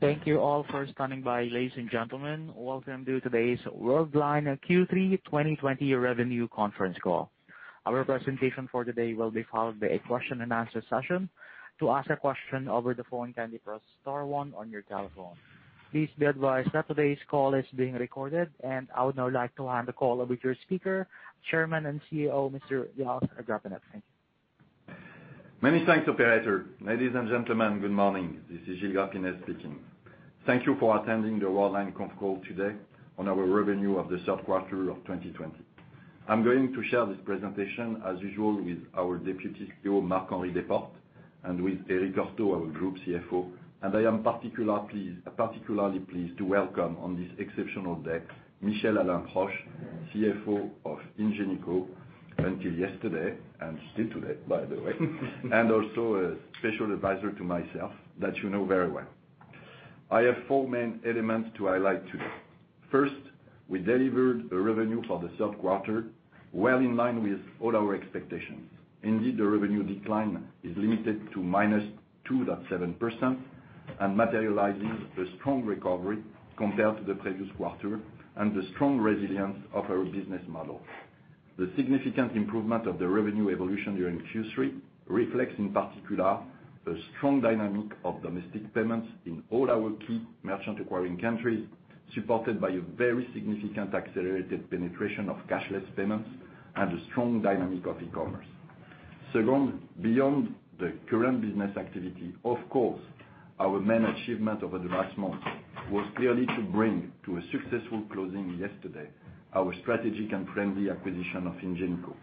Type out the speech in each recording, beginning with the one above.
Thank you all for standing by, ladies and gentlemen. Welcome to today's Worldline Q3 2020 Revenue Conference call. Our presentation for today will be followed by a question-and-answer session. To ask a question over the phone, can you press star one on your telephone? Please be advised that today's call is being recorded, and I would now like to hand the call over to your speaker, Chairman and CEO, Mr. Gilles Grapinet. Thank you. Many thanks, Operator. Ladies and gentlemen, good morning. This is Gilles Grapinet speaking. Thank you for attending the Worldline conference call today on our revenue of the third quarter of 2020. I'm going to share this presentation, as usual, with our Deputy CEO, Marc-Henri Desportes, and with Eric Heurtaux, our Group CFO. I am particularly pleased to welcome on this exceptional day Michel-Alain Proche, CFO of Ingenico until yesterday, and still today, by the way, and also a special advisor to myself that you know very well. I have four main elements to highlight today. First, we delivered a revenue for the third quarter well in line with all our expectations. Indeed, the revenue decline is limited to -2.7% and materializes a strong recovery compared to the previous quarter, and the strong resilience of our business model. The significant improvement of the revenue evolution during Q3 reflects, in particular, a strong dynamic of domestic payments in all our key merchant-acquiring countries, supported by a very significant accelerated penetration of cashless payments and a strong dynamic of e-commerce. Second, beyond the current business activity, of course, our main achievement over the last month was clearly to bring to a successful closing yesterday our strategic and friendly acquisition of Ingenico.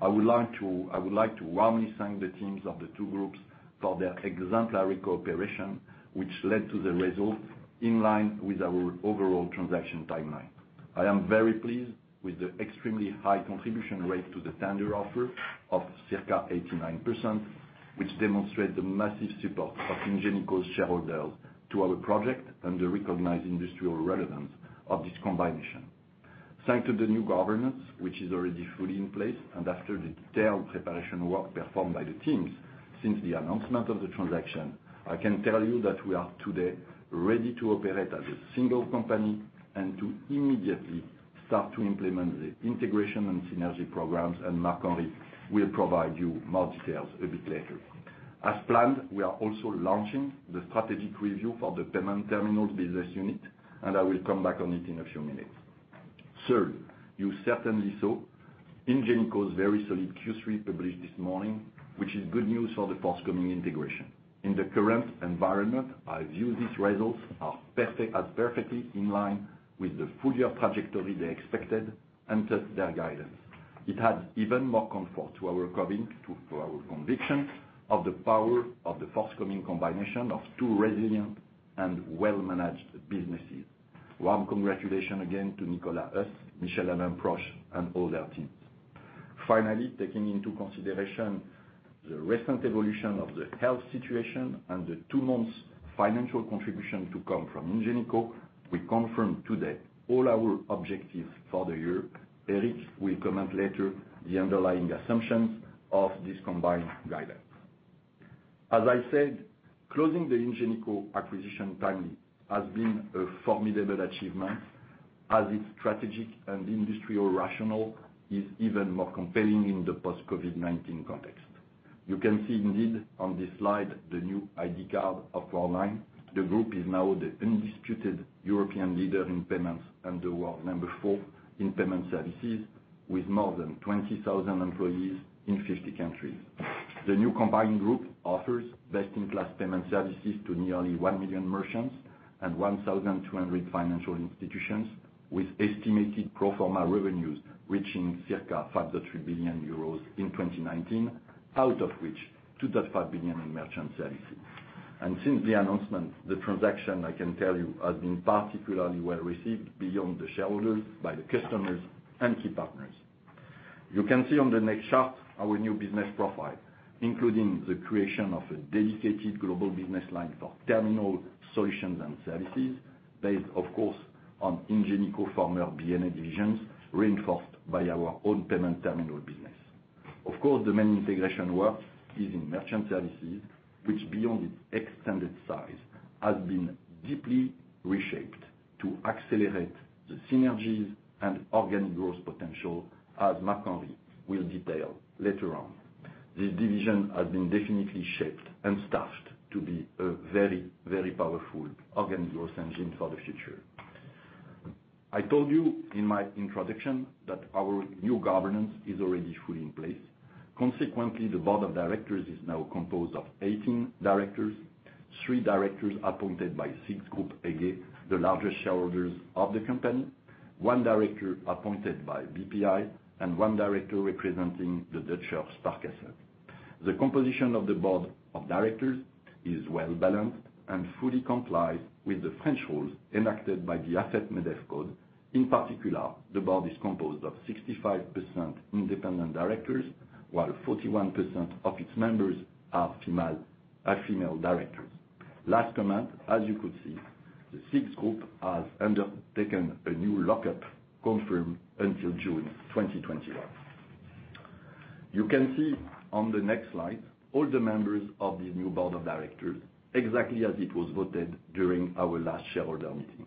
I would like to warmly thank the teams of the two groups for their exemplary cooperation, which led to the result in line with our overall transaction timeline. I am very pleased with the extremely high contribution rate to the tender offer of circa 89%, which demonstrates the massive support of Ingenico's shareholders to our project and the recognized industrial relevance of this combination. Thanks to the new governance, which is already fully in place, and after the detailed preparation work performed by the teams since the announcement of the transaction, I can tell you that we are today ready to operate as a single company and to immediately start to implement the integration and synergy programs, and Marc-Henri will provide you more details a bit later. As planned, we are also launching the strategic review for the payment terminals business unit, and I will come back on it in a few minutes. Third, you certainly saw Ingenico's very solid Q3 published this morning, which is good news for the forthcoming integration. In the current environment, I view these results as perfectly in line with the full year trajectory they expected and their guidance. It adds even more comfort to our conviction of the power of the forthcoming combination of two resilient and well-managed businesses. Warm congratulations again to Nicolas Huss, Michel-Alain Proche, and all their teams. Finally, taking into consideration the recent evolution of the health situation and the two months' financial contribution to come from Ingenico, we confirm today all our objectives for the year. Eric will comment later on the underlying assumptions of this combined guidance. As I said, closing the Ingenico acquisition timely has been a formidable achievement, as its strategic and industrial rationale is even more compelling in the post-COVID-19 context. You can see, indeed, on this slide the new ID card of Worldline. The group is now the undisputed European leader in payments and the world number four in payment services, with more than 20,000 employees in 50 countries. The new combined group offers best-in-class payment services to nearly 1 million merchants and 1,200 financial institutions, with estimated pro forma revenues reaching circa 5.3 billion euros in 2019, out of which 2.5 billion in Merchant Services. Since the announcement, the transaction, I can tell you, has been particularly well received, beyond the shareholders, by the customers and key partners. You can see on the next chart our new business profile, including the creation of a dedicated global business line for terminal solutions and services, based, of course, on Ingenico's former B&A divisions, reinforced by our own payment terminal business. Of course, the main integration work is in Merchant Services, which, beyond its extended size, has been deeply reshaped to accelerate the synergies and organic growth potential, as Marc-Henri will detail later on. This division has been definitely shaped and staffed to be a very, very powerful organic growth engine for the future. I told you in my introduction that our new governance is already fully in place. Consequently, the board of directors is now composed of 18 directors, three directors appointed by SIX Group AG, the largest shareholders of the company, one director appointed by BPI, and one director representing the Deutscher Sparkassenverlag. The composition of the board of directors is well-balanced and fully complies with the French rules enacted by the AFEP-MEDEF Code. In particular, the board is composed of 65% independent directors, while 41% of its members are female directors. Last comment: as you could see, the SIX Group has undertaken a new lockup confirmed until June 2021. You can see on the next slide all the members of this new board of directors, exactly as it was voted during our last shareholder meeting.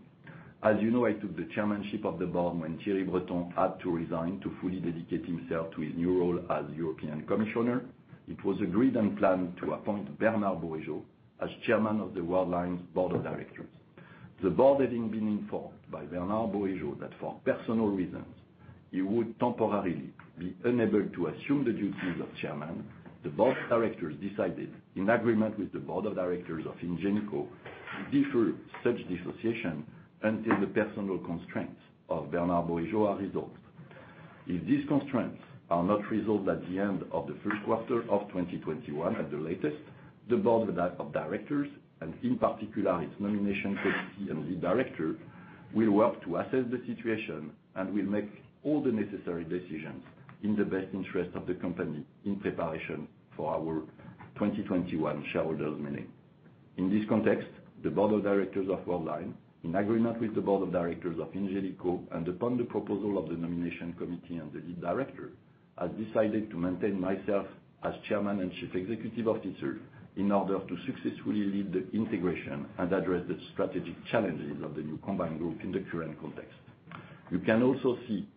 As you know, I took the chairmanship of the board when Thierry Breton had to resign to fully dedicate himself to his new role as European Commissioner. It was agreed and planned to appoint Bernard Bourigeaud as chairman of the Worldline's board of directors. The board having been informed by Bernard Bourigeaud that, for personal reasons, he would temporarily be unable to assume the duties of chairman, the board of directors decided, in agreement with the board of directors of Ingenico, to defer such dissociation until the personal constraints of Bernard Bourigeaud are resolved. If these constraints are not resolved at the end of the first quarter of 2021 at the latest, the Board of Directors, and in particular its Nomination Committee and Lead Director, will work to assess the situation and will make all the necessary decisions in the best interest of the company in preparation for our 2021 shareholders' meeting. In this context, the Board of Directors of Worldline, in agreement with the Board of Directors of Ingenico and upon the proposal of the Nomination Committee and the Lead Director, has decided to maintain myself as Chairman and Chief Executive Officer in order to successfully lead the integration and address the strategic challenges of the new combined group in the current context. You can also see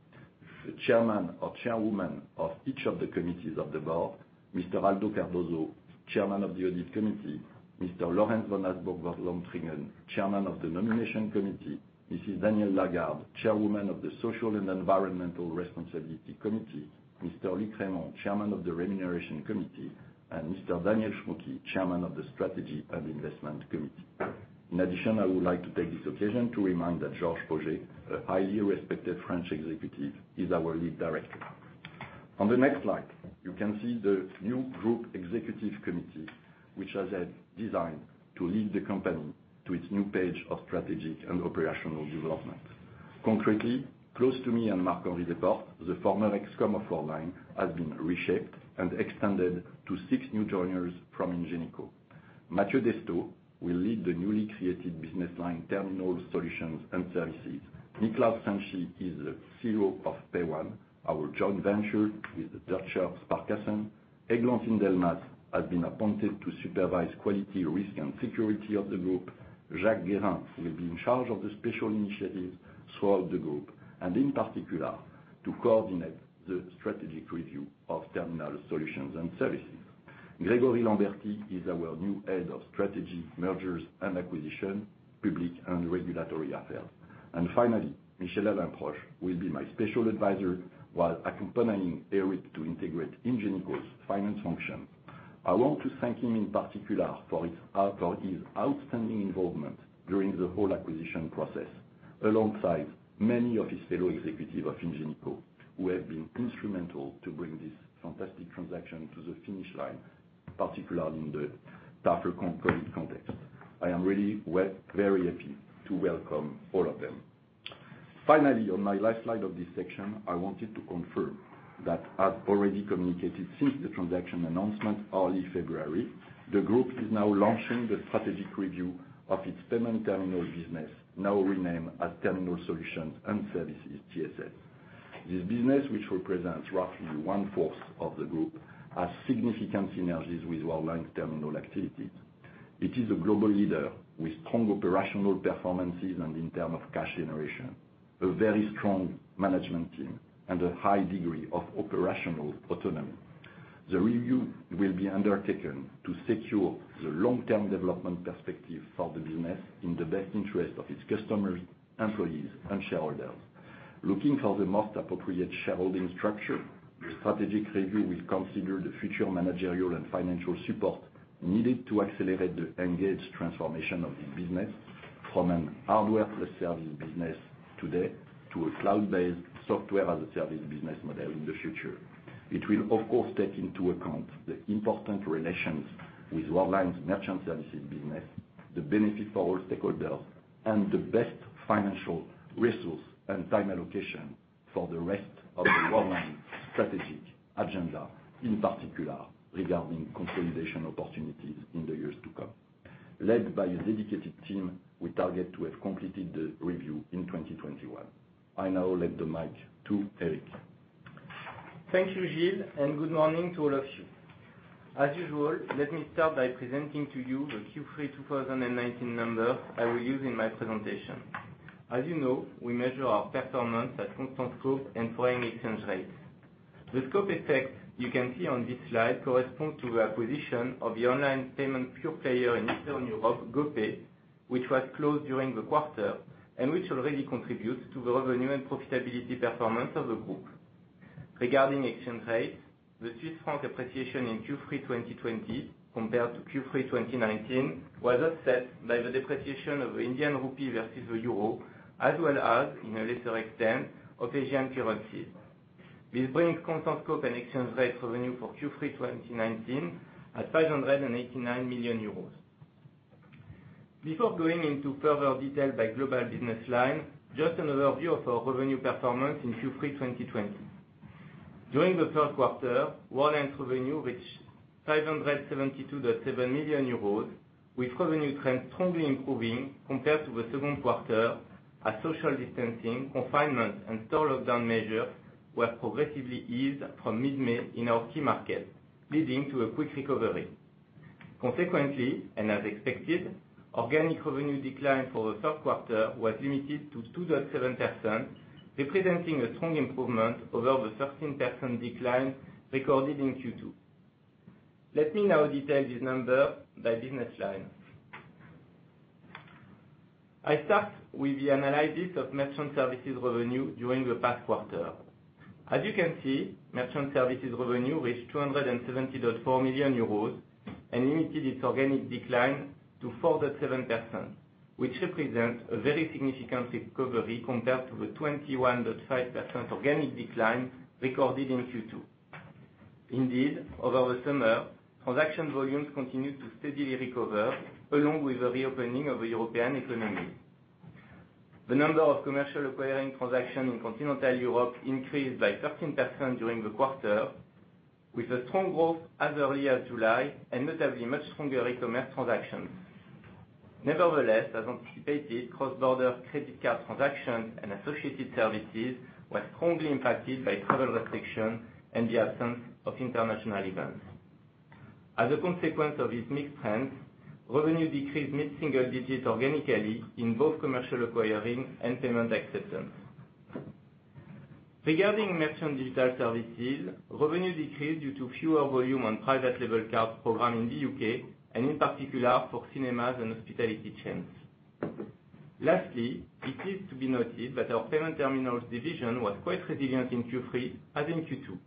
the Chairman or Chairwoman of each of the committees of the Board: Mr. Aldo Cardoso, Chairman of the Audit Committee; Mr. Lorenz von Habsburg Lothringen, Chairman of the Nomination Committee, Danielle Lagarde, Chairwoman of the Social and Environmental Responsibility Committee, Luc Rémont, Chairman of the Remuneration Committee, and Daniel Schmucki, Chairman of the Strategy and Investment Committee. In addition, I would like to take this occasion to remind that Georges Pauget, a highly respected French executive, is our lead director. On the next slide, you can see the new Group Executive Committee, which has been designed to lead the company to its new page of strategic and operational development. Concretely, close to me and Marc-Henri Desportes, the former Executive Committee of Worldline has been reshaped and extended to six new joiners from Ingenico. Matthieu Destot will lead the newly created business line Terminals Solutions and Services. Niklaus Santschi is the CEO of PAYONE, our joint venture with the Deutscher Sparkassenverlag. Eglantine Delmas has been appointed to supervise quality, risk, and security of the group. Jacques Guérin will be in charge of the special initiatives throughout the group, and in particular, to coordinate the strategic review of Terminals Solutions and Services. Grégory Lambertie is our new head of Strategy, Mergers, and Acquisition, Public and Regulatory Affairs. And finally, Michel-Alain Proche will be my special advisor while accompanying Eric to integrate Ingenico's finance functions. I want to thank him in particular for his outstanding involvement during the whole acquisition process, alongside many of his fellow executives of Ingenico, who have been instrumental to bring this fantastic transaction to the finish line, particularly in the tougher COVID context. I am really very happy to welcome all of them. Finally, on my last slide of this section, I wanted to confirm that, as already communicated since the transaction announcement early February, the group is now launching the strategic review of its payment terminal business, now renamed as Terminals, Solutions & Services (TSS). This business, which represents roughly one-fourth of the group, has significant synergies with Worldline's terminal activities. It is a global leader with strong operational performances in terms of cash generation, a very strong management team, and a high degree of operational autonomy. The review will be undertaken to secure the long-term development perspective for the business in the best interest of its customers, employees, and shareholders. Looking for the most appropriate shareholding structure, the strategic review will consider the future managerial and financial support needed to accelerate the engaged transformation of this business from an hardware-plus-service business today to a cloud-based software-as-a-service business model in the future. It will, of course, take into account the important relations with Worldline's Merchant Services business, the benefit for all stakeholders, and the best financial resource and time allocation for the rest of the Worldline's strategic agenda, in particular regarding consolidation opportunities in the years to come. Led by a dedicated team, we target to have completed the review in 2021. I now let the mic to Eric. Thank you, Gilles, and good morning to all of you. As usual, let me start by presenting to you the Q3 2019 numbers I will use in my presentation. As you know, we measure our performance at constant scope and foreign exchange rates. The scope effect you can see on this slide corresponds to the acquisition of the online payment pure player in Eastern Europe, GoPay, which was closed during the quarter and which already contributes to the revenue and profitability performance of the group. Regarding exchange rates, the Swiss franc appreciation in Q3 2020 compared to Q3 2019 was upset by the depreciation of the Indian rupee versus the euro, as well as, in a lesser extent, of Asian currencies. This brings constant scope and exchange rate revenue for Q3 2019 at 589 million euros. Before going into further detail by global business line, just an overview of our revenue performance in Q3 2020. During the first quarter, Worldline's revenue reached 572.7 million euros, with revenue trends strongly improving compared to the second quarter, as social distancing, confinement, and store lockdown measures were progressively eased from mid-May in our key markets, leading to a quick recovery. Consequently, and as expected, organic revenue decline for the third quarter was limited to 2.7%, representing a strong improvement over the 13% decline recorded in Q2. Let me now detail these numbers by business line. I start with the analysis of Merchant Services revenue during the past quarter. As you can see, Merchant Services revenue reached 270.4 million euros and limited its organic decline to 4.7%, which represents a very significant recovery compared to the 21.5% organic decline recorded in Q2. Indeed, over the summer, transaction volumes continued to steadily recover, along with the reopening of the European economies. The number of Commercial Acquiring transactions in continental Europe increased by 13% during the quarter, with a strong growth as early as July and notably much stronger e-commerce transactions. Nevertheless, as anticipated, cross-border credit card transactions and associated services were strongly impacted by travel restrictions and the absence of international events. As a consequence of these mixed trends, revenue decreased mid-single digit organically in both Commercial Acquiring and Payment Acceptance. Regarding Merchant Digital Services, revenue decreased due to fewer volume on private-label cards programmed in the U.K., and in particular for cinemas and hospitality chains. Lastly, it is to be noted that our payment terminals division was quite resilient in Q3 as in Q2.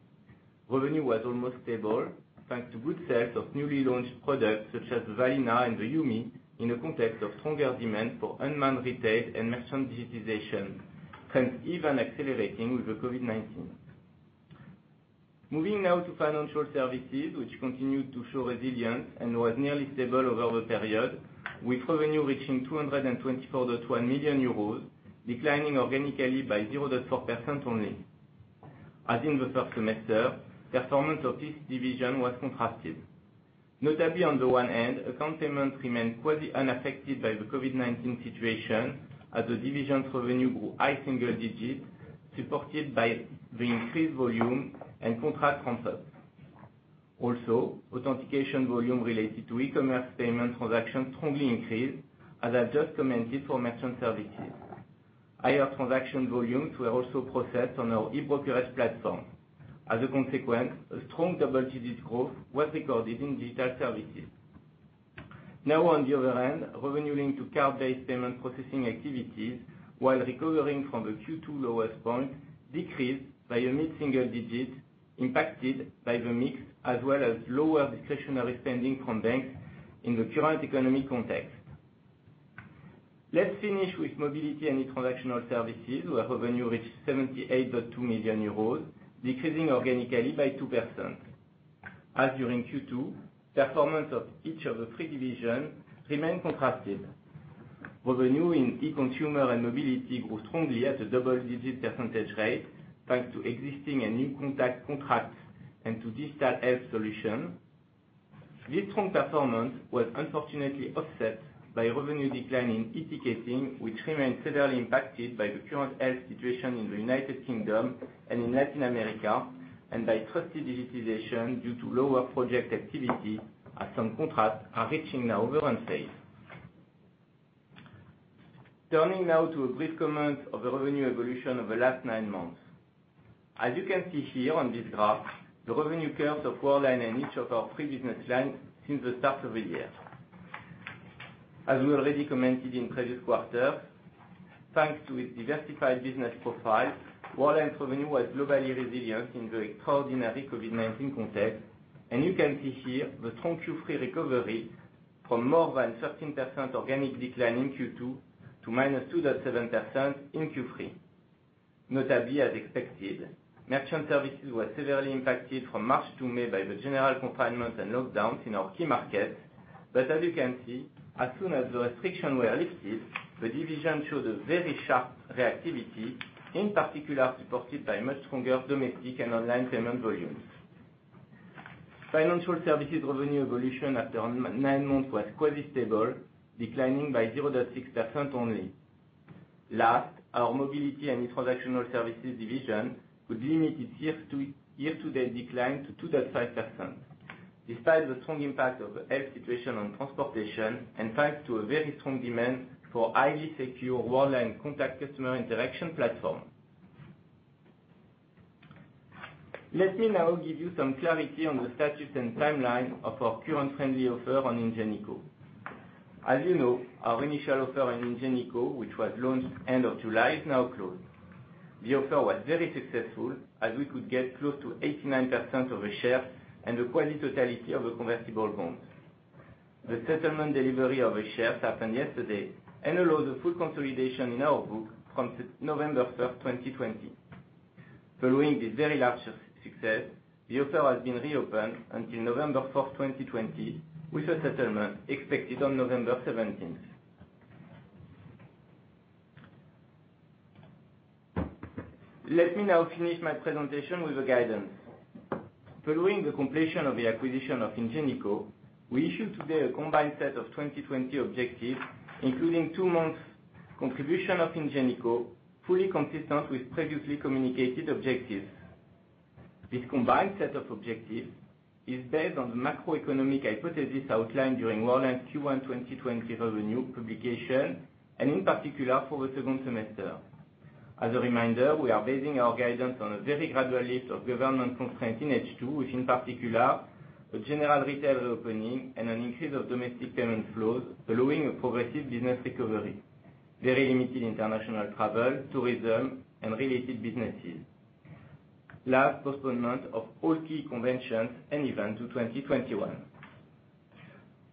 Revenue was almost stable thanks to good sales of newly launched products such as the Valina and the Yumi in the context of stronger demand for unmanned retail and merchant digitization, trends even accelerating with the COVID-19. Moving now to Financial Services, which continued to show resilience and was nearly stable over the period, with revenue reaching 224.1 million euros, declining organically by 0.4% only. As in the first semester, performance of this division was contrasted. Notably, on the one hand, Account Payments remained quasi-unaffected by the COVID-19 situation, as the division's revenue grew high single digit, supported by the increased volume and contract ramp-ups. Also, authentication volume related to e-commerce payment transactions strongly increased, as I've just commented for Merchant Services. Higher transaction volumes were also processed on our e-brokerage platform. As a consequence, a strong double-digit growth was recorded in Digital Services. Now, on the other hand, revenue linked to card-based payment processing activities, while recovering from the Q2 lowest point, decreased by a mid-single-digit, impacted by the mix as well as lower discretionary spending from banks in the current economic context. Let's finish with Mobility & e-Transactional Services, where revenue reached 78.2 million euros, decreasing organically by 2%. As during Q2, performance of each of the three divisions remained contrasted. Revenue in e-Consumer & Mobility grew strongly at a double-digit percentage rate thanks to existing and new contact contracts and to digital health solutions. This strong performance was unfortunately offset by revenue decline in e-Ticketing, which remained severely impacted by the current health situation in the United Kingdom and in Latin America, and by Trusted Digitization due to lower project activity, as some contracts are reaching now a run phase. Turning now to a brief comment on the revenue evolution of the last nine months. As you can see here on this graph, the revenue curve of Worldline and each of our three business lines since the start of the year. As we already commented in previous quarters, thanks to its diversified business profile, Worldline's revenue was globally resilient in the extraordinary COVID-19 context, and you can see here the strong Q3 recovery from more than 13% organic decline in Q2 to -2.7% in Q3. Notably, as expected, Merchant Services were severely impacted from March to May by the general confinement and lockdowns in our key markets, but as you can see, as soon as the restrictions were lifted, the division showed a very sharp reactivity, in particular supported by much stronger domestic and online payment volumes. Financial services revenue evolution after nine months was quasi-stable, declining by 0.6% only. Last, our Mobility & e-Transactional Services division would limit its year-to-date decline to 2.5%, despite the strong impact of the health situation on transportation and thanks to a very strong demand for highly secure Worldline Contact customer interaction platforms. Let me now give you some clarity on the status and timeline of our friendly offer on Ingenico. As you know, our initial offer on Ingenico, which was launched end of July, is now closed. The offer was very successful, as we could get close to 89% of the shares and the quasi-totality of the convertible bonds. The settlement delivery of the shares happened yesterday and allowed a full consolidation in our books from November 1st, 2020. Following this very large success, the offer has been reopened until November 4th, 2020, with a settlement expected on November 17th. Let me now finish my presentation with the guidance. Following the completion of the acquisition of Ingenico, we issue today a combined set of 2020 objectives, including two-month contribution of Ingenico, fully consistent with previously communicated objectives. This combined set of objectives is based on the macroeconomic hypothesis outlined during Worldline's Q1 2020 revenue publication, and in particular for the second semester. As a reminder, we are basing our guidance on a very gradual lift of government constraints in H2, with in particular a general retail reopening and an increase of domestic payment flows, following a progressive business recovery, very limited international travel, tourism, and related businesses, last postponement of all key conventions and events to 2021.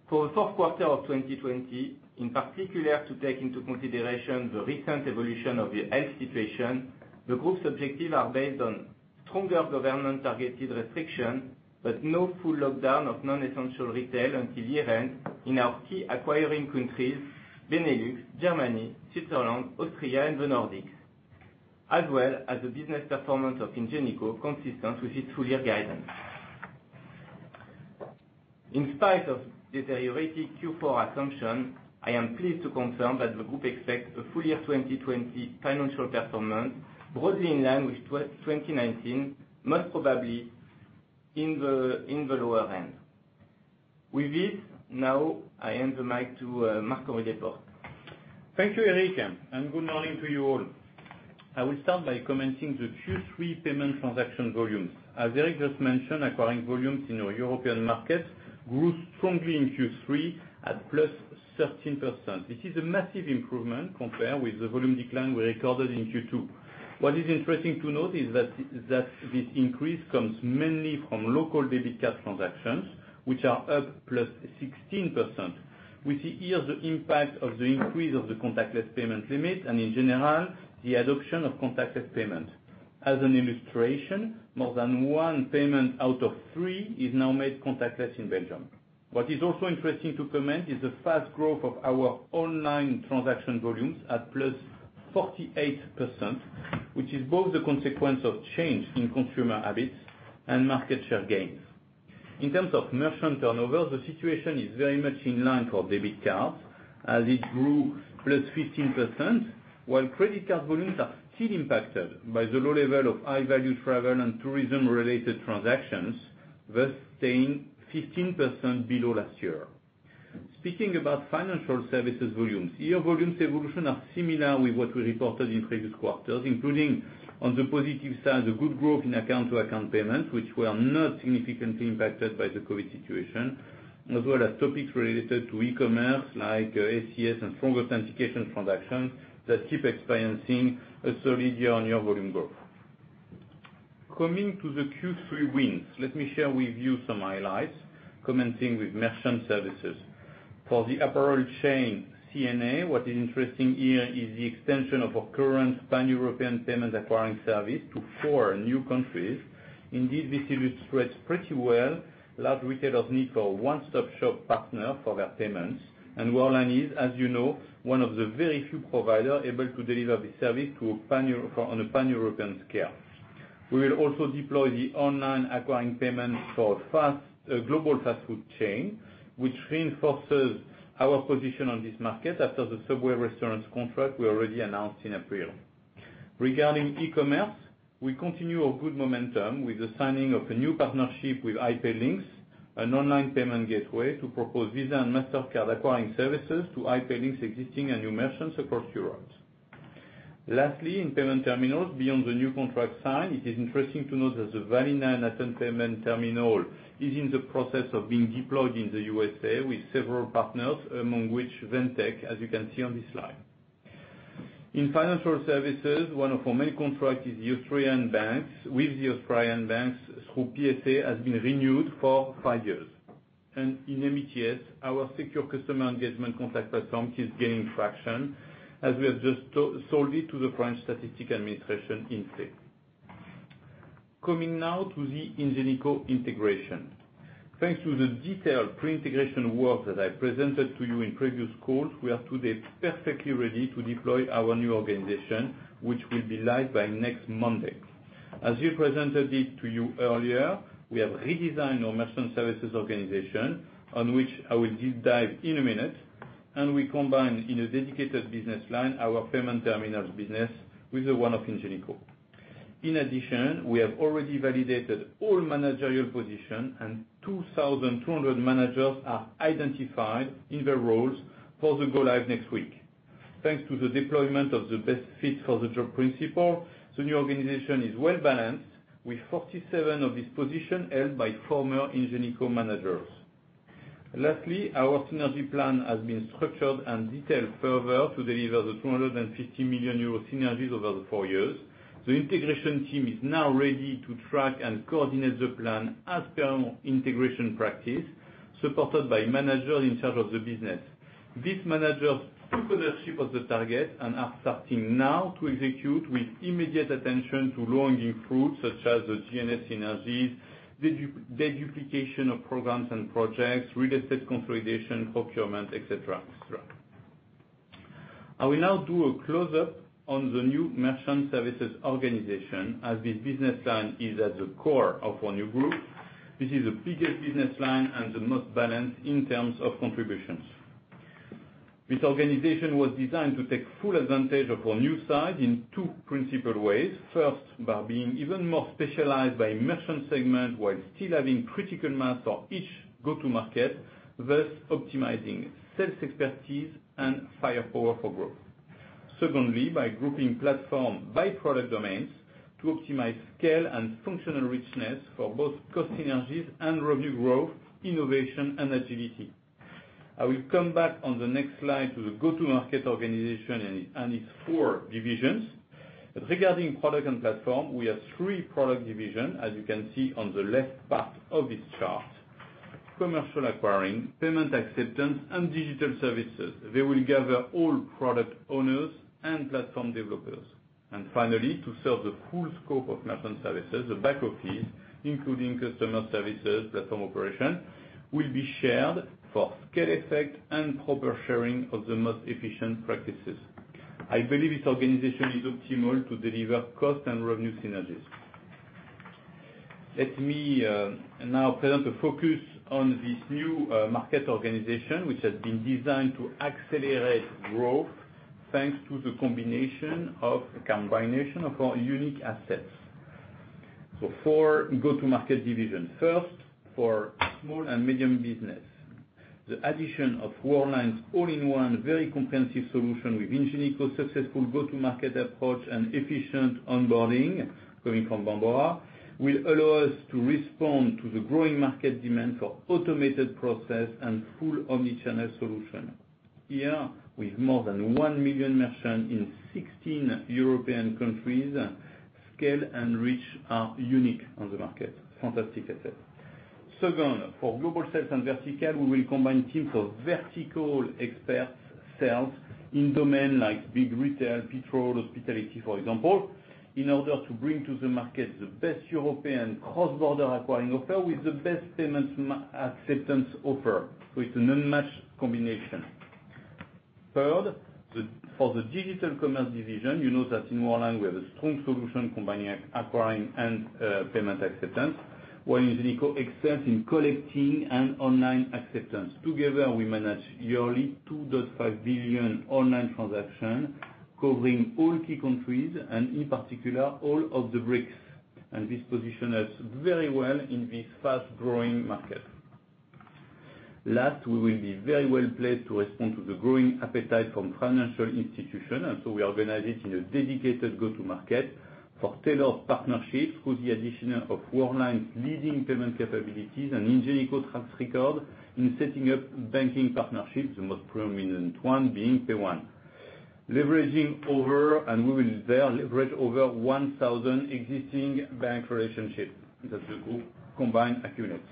For the fourth quarter of 2020, in particular to take into consideration the recent evolution of the health situation, the group's objectives are based on stronger government-targeted restrictions but no full lockdown of non-essential retail until year-end in our key acquiring countries, Benelux, Germany, Switzerland, Austria, and the Nordics, as well as the business performance of Ingenico consistent with its full-year guidance. In spite of deteriorating Q4 assumptions, I am pleased to confirm that the group expects a full-year 2020 financial performance broadly in line with 2019, most probably in the lower end. With this, now I hand the mic to Marc-Henri Desportes. Thank you, Eric, and good morning to you all. I will start by commenting on the Q3 payment transaction volumes. As Eric just mentioned, acquiring volumes in our European markets grew strongly in Q3 at +13%. This is a massive improvement compared with the volume decline we recorded in Q2. What is interesting to note is that this increase comes mainly from local debit card transactions, which are up +16%. We see here the impact of the increase of the contactless payment limit and, in general, the adoption of contactless payment. As an illustration, more than one payment out of three is now made contactless in Belgium. What is also interesting to comment is the fast growth of our online transaction volumes at +48%, which is both a consequence of change in consumer habits and market share gains. In terms of merchant turnover, the situation is very much in line for debit cards, as it grew +15%, while credit card volumes are still impacted by the low level of high-value travel and tourism-related transactions, thus staying 15% below last year. Speaking about Financial Services volumes, year-volume evolution is similar to what we reported in previous quarters, including on the positive side, the good growth in account-to-account payments, which were not significantly impacted by the COVID situation, as well as topics related to e-commerce like ACS and strong authentication transactions that keep experiencing a solid year-on-year volume growth. Coming to the Q3 wins, let me share with you some highlights, commenting on Merchant Services. For the apparel chain C&A, what is interesting here is the extension of our current pan-European payment acquiring service to four new countries. Indeed, this illustrates pretty well large retailers' need for a one-stop-shop partner for their payments, and Worldline is, as you know, one of the very few providers able to deliver this service on a pan-European scale. We will also deploy the online acquiring payments for a global fast-food chain, which reinforces our position on this market after the Subway restaurants contract we already announced in April. Regarding e-commerce, we continue our good momentum with the signing of a new partnership with iPayLinks, an online payment gateway to propose Visa and Mastercard acquiring services to iPayLinks' existing and new merchants across Europe. Lastly, in payment terminals, beyond the new contract sign, it is interesting to note that the Valina unattended payment terminal is in the process of being deployed in the USA with several partners, among which Ventek, as you can see on this slide. In Financial Services, one of our main contracts with the Austrian banks through PSA has been renewed for five years, and in METS, our secure customer engagement platform keeps gaining traction, as we have just sold it to INSEE. Coming now to the Ingenico integration. Thanks to the detailed pre-integration work that I presented to you in previous calls, we are today perfectly ready to deploy our new organization, which will be live by next Monday. As we presented it to you earlier, we have redesigned our Merchant Services organization, on which I will deep dive in a minute, and we combine in a dedicated business line our payment terminals business with the one of Ingenico. In addition, we have already validated all managerial positions, and 2,200 managers are identified in their roles for the go-live next week. Thanks to the deployment of the best fit for the job principle, the new organization is well balanced, with 47 of these positions held by former Ingenico managers. Lastly, our synergy plan has been structured and detailed further to deliver the 250 million euro synergies over the four years. The integration team is now ready to track and coordinate the plan as per integration practice, supported by managers in charge of the business. These managers took ownership of the target and are starting now to execute with immediate attention to low-hanging fruit such as the G&A synergies, deduplication of programs and projects, real estate consolidation, procurement, etc., etc. I will now do a close-up on the new Merchant Services organization, as this business line is at the core of our new group. This is the biggest business line and the most balanced in terms of contributions. This organization was designed to take full advantage of our new size in two principal ways: first, by being even more specialized by merchant segment while still having critical mass for each go-to-market, thus optimizing sales expertise and firepower for growth; secondly, by grouping platforms by product domains to optimize scale and functional richness for both cost synergies and revenue growth, innovation, and agility. I will come back on the next slide to the go-to-market organization and its four divisions. Regarding product and platform, we have three product divisions, as you can see on the left part of this chart: Commercial Acquiring, Payment Acceptance, and Digital Services. They will gather all product owners and platform developers. Finally, to serve the full scope of Merchant Services, the back office, including customer services platform operations, will be shared for scale effect and proper sharing of the most efficient practices. I believe this organization is optimal to deliver cost and revenue synergies. Let me now present a focus on this new market organization, which has been designed to accelerate growth thanks to the combination of a combination of our unique assets. Four go-to-market divisions. First, for small and medium business, the addition of Worldline's all-in-one, very comprehensive solution with Ingenico's successful go-to-market approach and efficient onboarding, coming from Bambora, will allow us to respond to the growing market demand for automated process and full omnichannel solution. Here, with more than 1 million merchants in 16 European countries, scale and reach are unique on the market, fantastic assets. Second, for global sales and verticals, we will combine teams of vertical experts sales in domains like big retail, petrol, hospitality, for example, in order to bring to the market the best European cross-border acquiring offer with the best payment acceptance offer. So it's a perfect match combination. Third, for the digital commerce division, you know that in Worldline we have a strong solution combining acquiring and payment acceptance, while Ingenico excels in collecting and online acceptance. Together, we manage yearly 2.5 billion online transactions, covering all key countries and, in particular, all of the BRICS, and this positions us very well in this fast-growing market. Last, we will be very well placed to respond to the growing appetite from financial institutions, and so we organize it in a dedicated go-to market for tailored partnerships with the addition of Worldline's leading payment capabilities and Ingenico track record in setting up banking partnerships, the most prominent one being PAYONE, leveraging over and we will there leverage over 1,000 existing bank relationships that the group combined accumulates.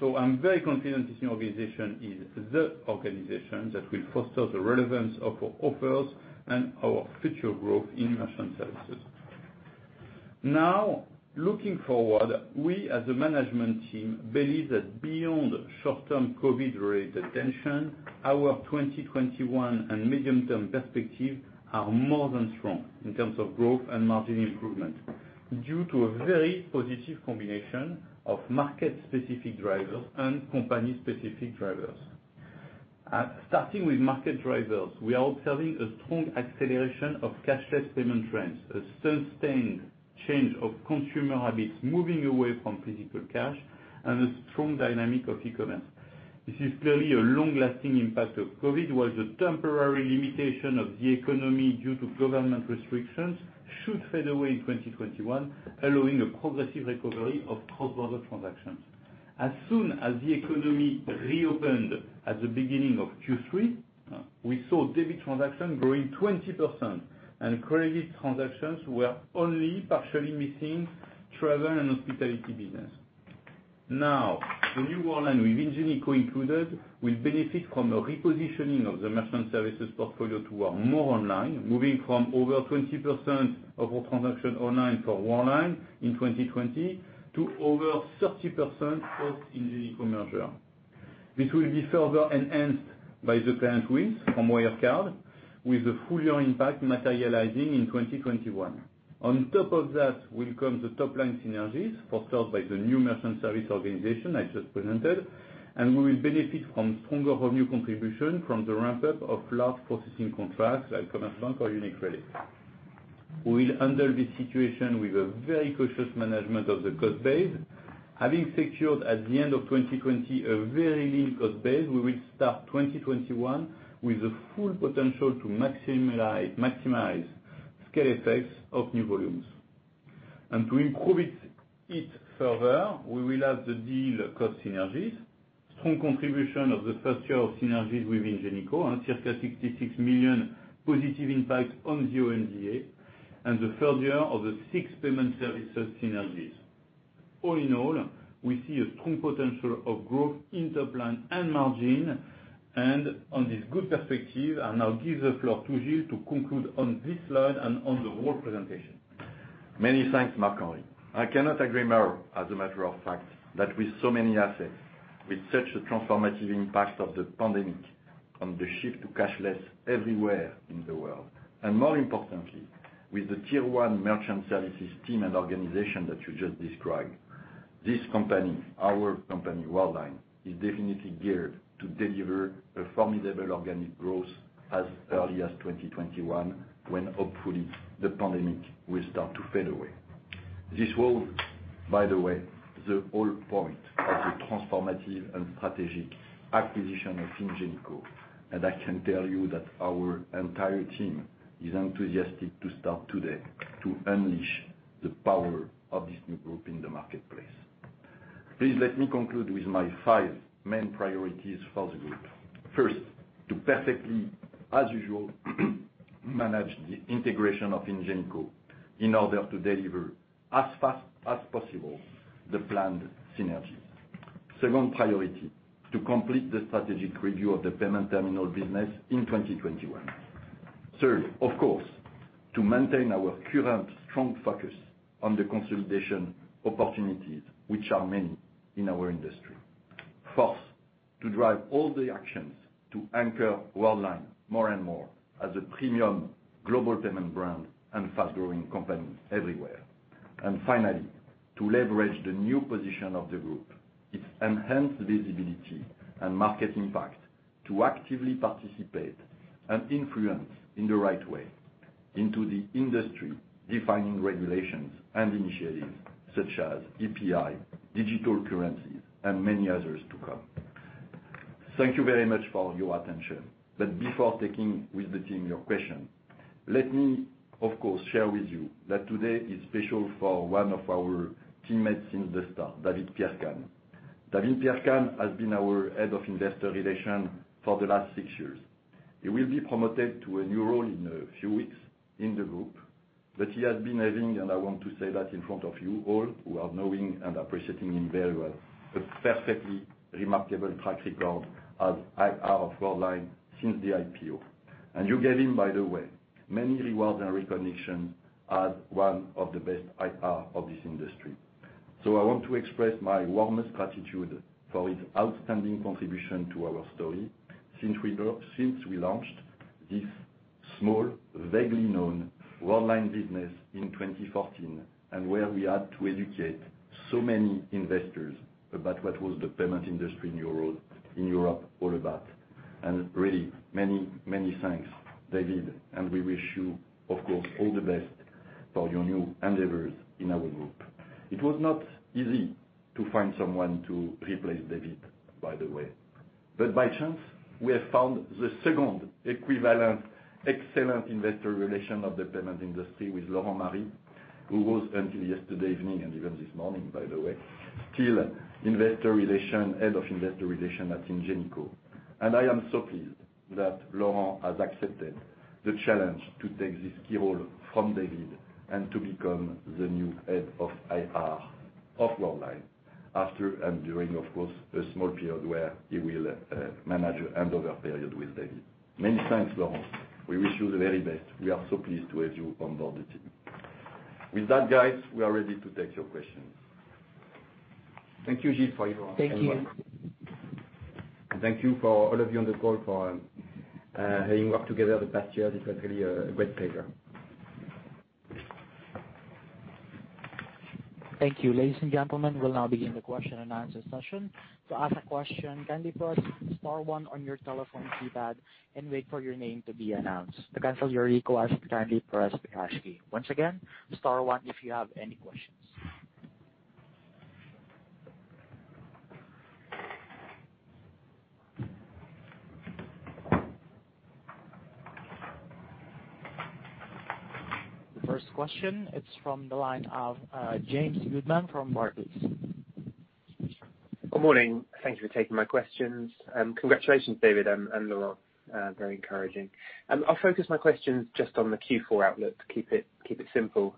So I'm very confident this new organization is the organization that will foster the relevance of our offers and our future growth in Merchant Services. Now, looking forward, we as a management team believe that beyond short-term COVID-related tension, our 2021 and medium-term perspectives are more than strong in terms of growth and margin improvement due to a very positive combination of market-specific drivers and company-specific drivers. Starting with market drivers, we are observing a strong acceleration of cashless payment trends, a sustained change of consumer habits moving away from physical cash, and a strong dynamic of e-commerce. This is clearly a long-lasting impact of COVID, while the temporary limitation of the economy due to government restrictions should fade away in 2021, allowing a progressive recovery of cross-border transactions. As soon as the economy reopened at the beginning of Q3, we saw debit transactions growing 20%, and credit transactions were only partially missing travel and hospitality business. Now, the new Worldline with Ingenico included will benefit from a repositioning of the Merchant Services portfolio to our more online, moving from over 20% of our transactions online for Worldline in 2020 to over 30% post-Ingenico merger. This will be further enhanced by the client wins from Wirecard, with the full-year impact materializing in 2021. On top of that will come the top-line synergies, fostered by the new merchant service organization I just presented, and we will benefit from stronger revenue contribution from the ramp-up of large processing contracts like Commerzbank or UniCredit. We will handle this situation with a very cautious management of the cost base. Having secured at the end of 2020 a very lean cost base, we will start 2021 with the full potential to maximize scale effects of new volumes. And to improve it further, we will have the deal cost synergies, strong contribution of the first year of synergies with Ingenico, circa 66 million positive impact on the OMDA, and the third year of the SIX payment services synergies. All in all, we see a strong potential of growth in top-line and margin, and on this good perspective, I now give the floor to Gilles to conclude on this slide and on the Worldline presentation. Many thanks, Marc-Henri. I cannot agree more, as a matter of fact, that with so many assets, with such a transformative impact of the pandemic on the shift to cashless everywhere in the world, and more importantly, with the Tier 1 Merchant Services team and organization that you just described, this company, our company Worldline, is definitely geared to deliver a formidable organic growth as early as 2021, when hopefully the pandemic will start to fade away. This was, by the way, the whole point of the transformative and strategic acquisition of Ingenico, and I can tell you that our entire team is enthusiastic to start today to unleash the power of this new group in the marketplace. Please let me conclude with my five main priorities for the group. First, to perfectly, as usual, manage the integration of Ingenico in order to deliver as fast as possible the planned synergies. Second priority, to complete the strategic review of the payment terminal business in 2021. Third, of course, to maintain our current strong focus on the consolidation opportunities, which are many in our industry. Fourth, to drive all the actions to anchor Worldline more and more as a premium global payment brand and fast-growing company everywhere. And finally, to leverage the new position of the group, its enhanced visibility and market impact, to actively participate and influence in the right way into the industry-defining regulations and initiatives such as EPI, digital currencies, and many others to come. Thank you very much for your attention, but before taking with the team your question, let me, of course, share with you that today is special for one of our teammates since the start, David Pierre-Kahn. David Pierre-Kahn has been our head of investor relations for the last six years. He will be promoted to a new role in a few weeks in the group, but he has been having, and I want to say that in front of you all who are knowing and appreciating him very well, a perfectly remarkable track record as IR of Worldline since the IPO. You gave him, by the way, many rewards and recognitions as one of the best IR of this industry. So I want to express my warmest gratitude for his outstanding contribution to our story since we launched this small, vaguely known Worldline business in 2014, and where we had to educate so many investors about what was the payment industry in Europe all about. And really, many, many thanks, David, and we wish you, of course, all the best for your new endeavors in our group. It was not easy to find someone to replace David, by the way, but by chance, we have found the second equivalent excellent investor relation of the payment industry with Laurent Marie, who was until yesterday evening and even this morning, by the way, still head of investor relations at Ingenico. I am so pleased that Laurent has accepted the challenge to take this key role from David and to become the new head of IR of Worldline after and during, of course, a small period where he will manage a handover period with David. Many thanks, Laurent. We wish you the very best. We are so pleased to have you on board the team. With that, guys, we are ready to take your questions. Thank you, Gilles, for your answers. Thank you. Thank you for all of you on the call for having worked together the past year. This was really a great pleasure. Thank you. Ladies and gentlemen, we'll now begin the question and answer session. To ask a question, kindly press star one on your telephone keypad and wait for your name to be announced. To cancel your recall, ask to kindly press the hash key. Once again, star one if you have any questions. The first question, it's from the line of James Goodman from Barclays. Good morning. Thank you for taking my questions. Congratulations, David and Laurent. Very encouraging. I'll focus my questions just on the Q4 outlook, keep it simple.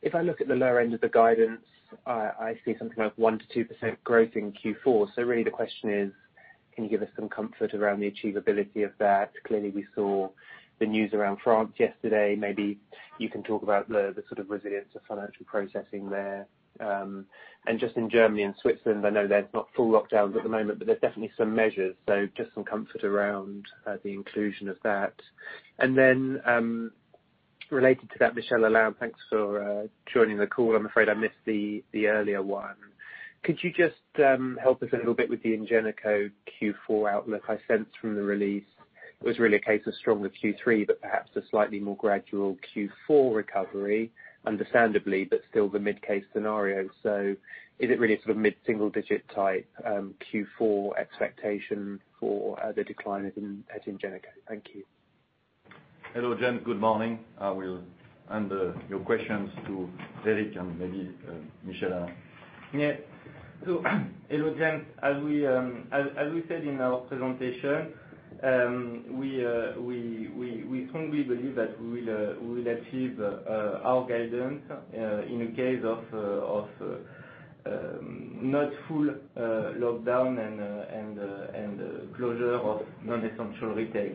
If I look at the lower end of the guidance, I see something like 1%-2% growth in Q4. So really, the question is, can you give us some comfort around the achievability of that? Clearly, we saw the news around France yesterday. Maybe you can talk about the sort of resilience of financial processing there. And just in Germany and Switzerland, I know there's not full lockdowns at the moment, but there's definitely some measures. So just some comfort around the inclusion of that. And then related to that, Michel-Alain, thanks for joining the call. I'm afraid I missed the earlier one. Could you just help us a little bit with the Ingenico Q4 outlook? I sense from the release, it was really a case of stronger Q3, but perhaps a slightly more gradual Q4 recovery, understandably, but still the mid-case scenario. So is it really a sort of mid-single-digit type Q4 expectation for the decline at Ingenico? Thank you. Hello, James. Good morning. I will hand your questions to Eric and maybe Michel-Alain. Yes. So hello, James. As we said in our presentation, we strongly believe that we will achieve our guidance in a case of not full lockdown and closure of non-essential retail.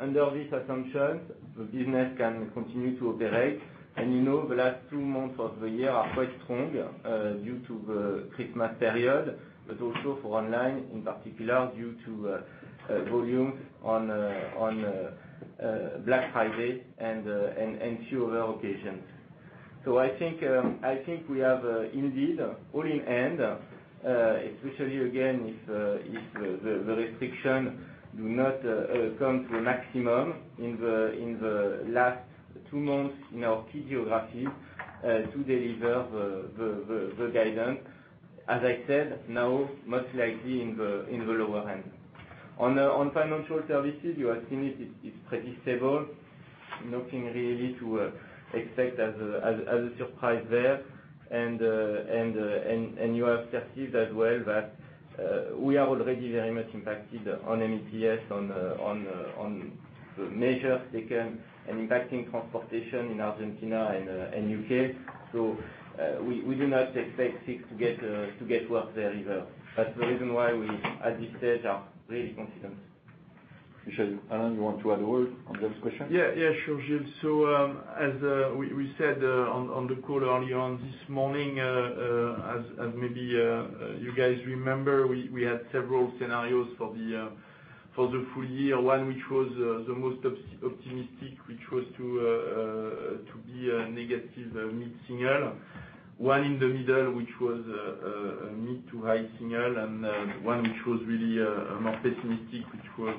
Under these assumptions, the business can continue to operate. You know the last two months of the year are quite strong due to the Christmas period, but also for online in particular due to volumes on Black Friday and few other occasions. So I think we have indeed all in hand, especially again if the restrictions do not come to a maximum in the last two months in our key geographies to deliver the guidance, as I said, now most likely in the lower end. On Financial Services, you have seen it is pretty stable. Nothing really to expect as a surprise there. You have perceived as well that we are already very much impacted on METS, on the measures taken and impacting transportation in Argentina and U.K. We do not expect things to get worse there either. That's the reason why we, at this stage, are really confident. Michel-Alain, you want to add a word on James' question? Yeah. Yeah, sure, Gilles. So as we said on the call earlier on this morning, as maybe you guys remember, we had several scenarios for the full year. One which was the most optimistic, which was to be a negative mid-single. One in the middle, which was a mid to high-single. And one which was really more pessimistic, which was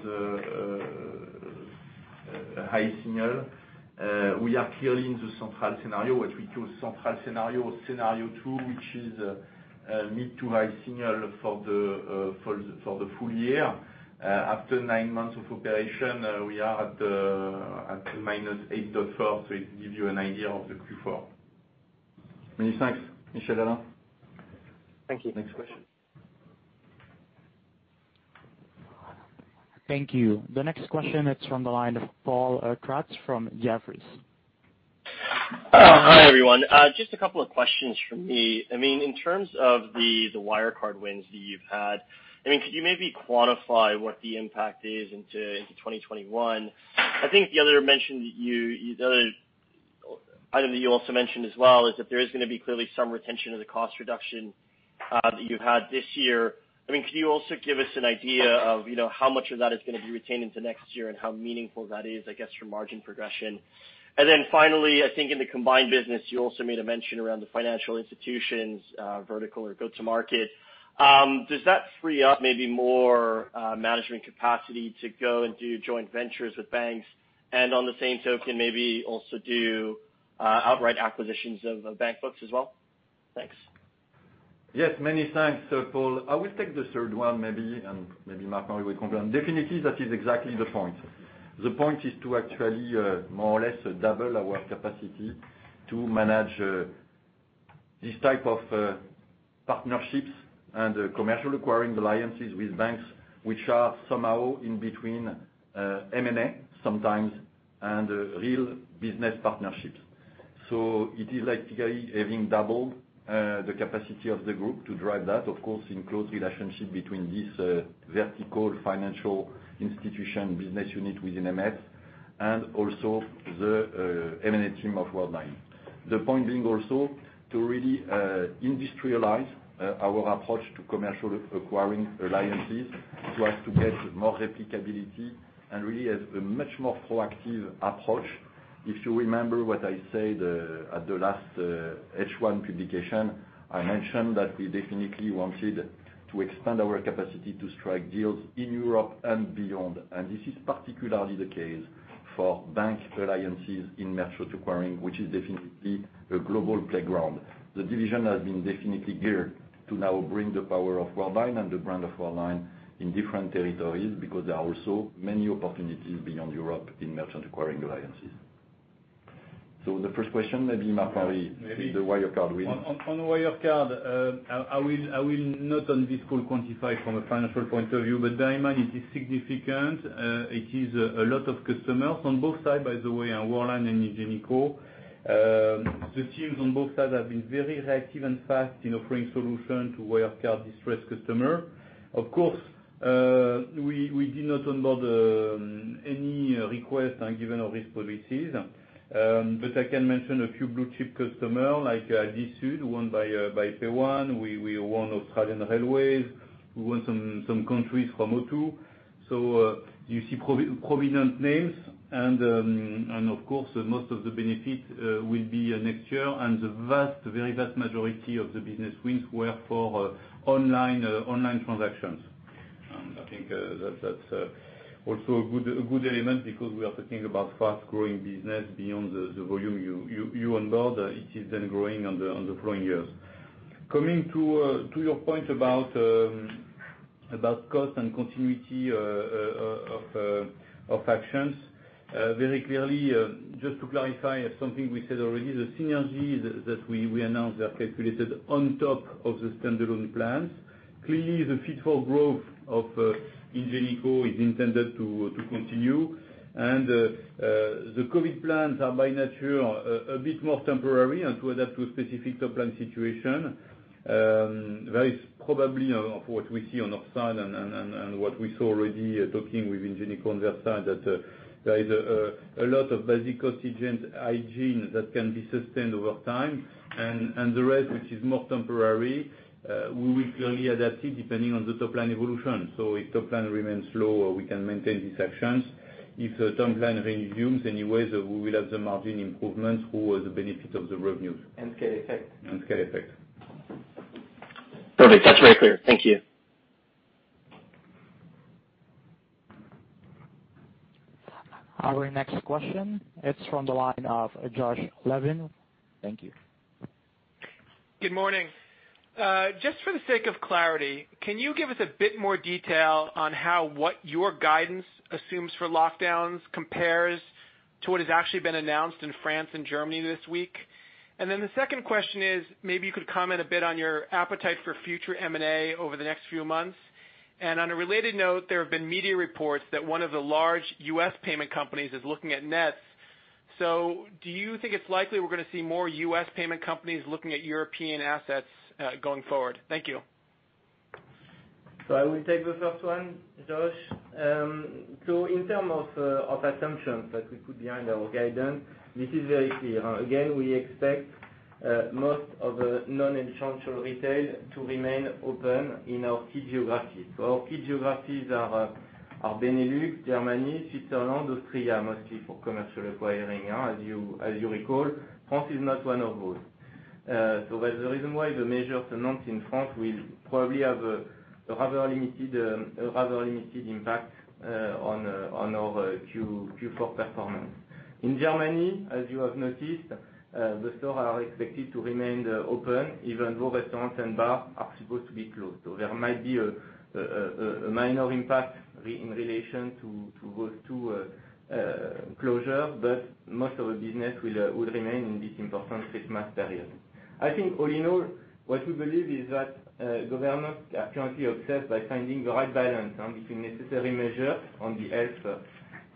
a high-single. We are clearly in the central scenario, what we call central scenario or scenario two, which is mid to high-single for the full year. After nine months of operation, we are at -8.4. So it gives you an idea of the Q4. Many thanks, Michel-Alain. Thank you. Next question. Thank you. The next question, it's from the line of Paul Kratz from Jefferies. Hi, everyone. Just a couple of questions from me. I mean, in terms of the Wirecard wins that you've had, I mean, could you maybe quantify what the impact is into 2021? I think the other mention, the other item that you also mentioned as well is that there is going to be clearly some retention of the cost reduction that you've had this year. I mean, could you also give us an idea of how much of that is going to be retained into next year and how meaningful that is, I guess, for margin progression? And then finally, I think in the combined business, you also made a mention around the financial institutions vertical or go-to-market. Does that free up maybe more management capacity to go and do joint ventures with banks and on the same token maybe also do outright acquisitions of bank books as well? Thanks. Yes. Many thanks, Paul. I will take the third one maybe, and maybe Marc-Henri will complement. Definitely, that is exactly the point. The point is to actually more or less double our capacity to manage this type of partnerships and Commercial Acquiring alliances with banks which are somehow in between M&A sometimes and real business partnerships. So it is like having doubled the capacity of the group to drive that, of course, in close relationship between this vertical financial institution business unit within MS and also the M&A team of Worldline. The point being also to really industrialize our approach to Commercial Acquiring alliances so as to get more replicability and really have a much more proactive approach. If you remember what I said at the last H1 publication, I mentioned that we definitely wanted to expand our capacity to strike deals in Europe and beyond. This is particularly the case for bank alliances in merchant acquiring, which is definitely a global playground. The division has been definitely geared to now bring the power of Worldline and the brand of Worldline in different territories because there are also many opportunities beyond Europe in merchant acquiring alliances. The first question, maybe Marc-Henri, the Wirecard win. On the Wirecard, I will not on this call quantify from a financial point of view, but bear in mind it is significant. It is a lot of customers on both sides, by the way, on Worldline and Ingenico. The teams on both sides have been very reactive and fast in offering solutions to Wirecard distressed customers. Of course, we did not onboard any requests given all of these policies, but I can mention a few blue-chip customers like ALDI SÜD, won by PAYONE. We won Austrian Railways. We won some contracts from O2. So you see prominent names. And of course, most of the benefit will be next year. And the very vast majority of the business wins were for online transactions. I think that's also a good element because we are talking about fast-growing business beyond the volume you onboard. It is then growing on the following years. Coming to your point about cost and continuity of actions, very clearly, just to clarify something we said already, the synergies that we announced are calculated on top of the standalone plans. Clearly, the fuel for growth of Ingenico is intended to continue. The COVID plans are by nature a bit more temporary and to adapt to a specific top-line situation. There is probably, for what we see on our side and what we saw already talking with Ingenico on their side, that there is a lot of basic cost containment hygiene that can be sustained over time. The rest, which is more temporary, we will clearly adapt it depending on the top-line evolution. If top-line remains low, we can maintain these actions. If the top-line resumes anyways, we will have the margin improvement through the benefit of the revenues. Scale effect. Scale effect. Perfect. That's very clear. Thank you. Our next question, it's from the line of Josh Levin. Thank you. Good morning. Just for the sake of clarity, can you give us a bit more detail on how what your guidance assumes for lockdowns compares to what has actually been announced in France and Germany this week? The second question is, maybe you could comment a bit on your appetite for future M&A over the next few months. On a related note, there have been media reports that one of the large U.S. payment companies is looking at Nets. Do you think it's likely we're going to see more U.S. payment companies looking at European assets going forward? Thank you. I will take the first one, Josh. In terms of assumptions that we put behind our guidance, this is very clear. Again, we expect most of the non-essential retail to remain open in our key geographies. Our key geographies are Benelux, Germany, Switzerland, Austria mostly for Commercial Acquiring, as you recall. France is not one of those. That's the reason why the measures announced in France will probably have a rather limited impact on our Q4 performance. In Germany, as you have noticed, the stores are expected to remain open even though restaurants and bars are supposed to be closed. There might be a minor impact in relation to those two closures, but most of the business will remain in this important Christmas period. I think all in all, what we believe is that governments are currently obsessed by finding the right balance between necessary measures on the health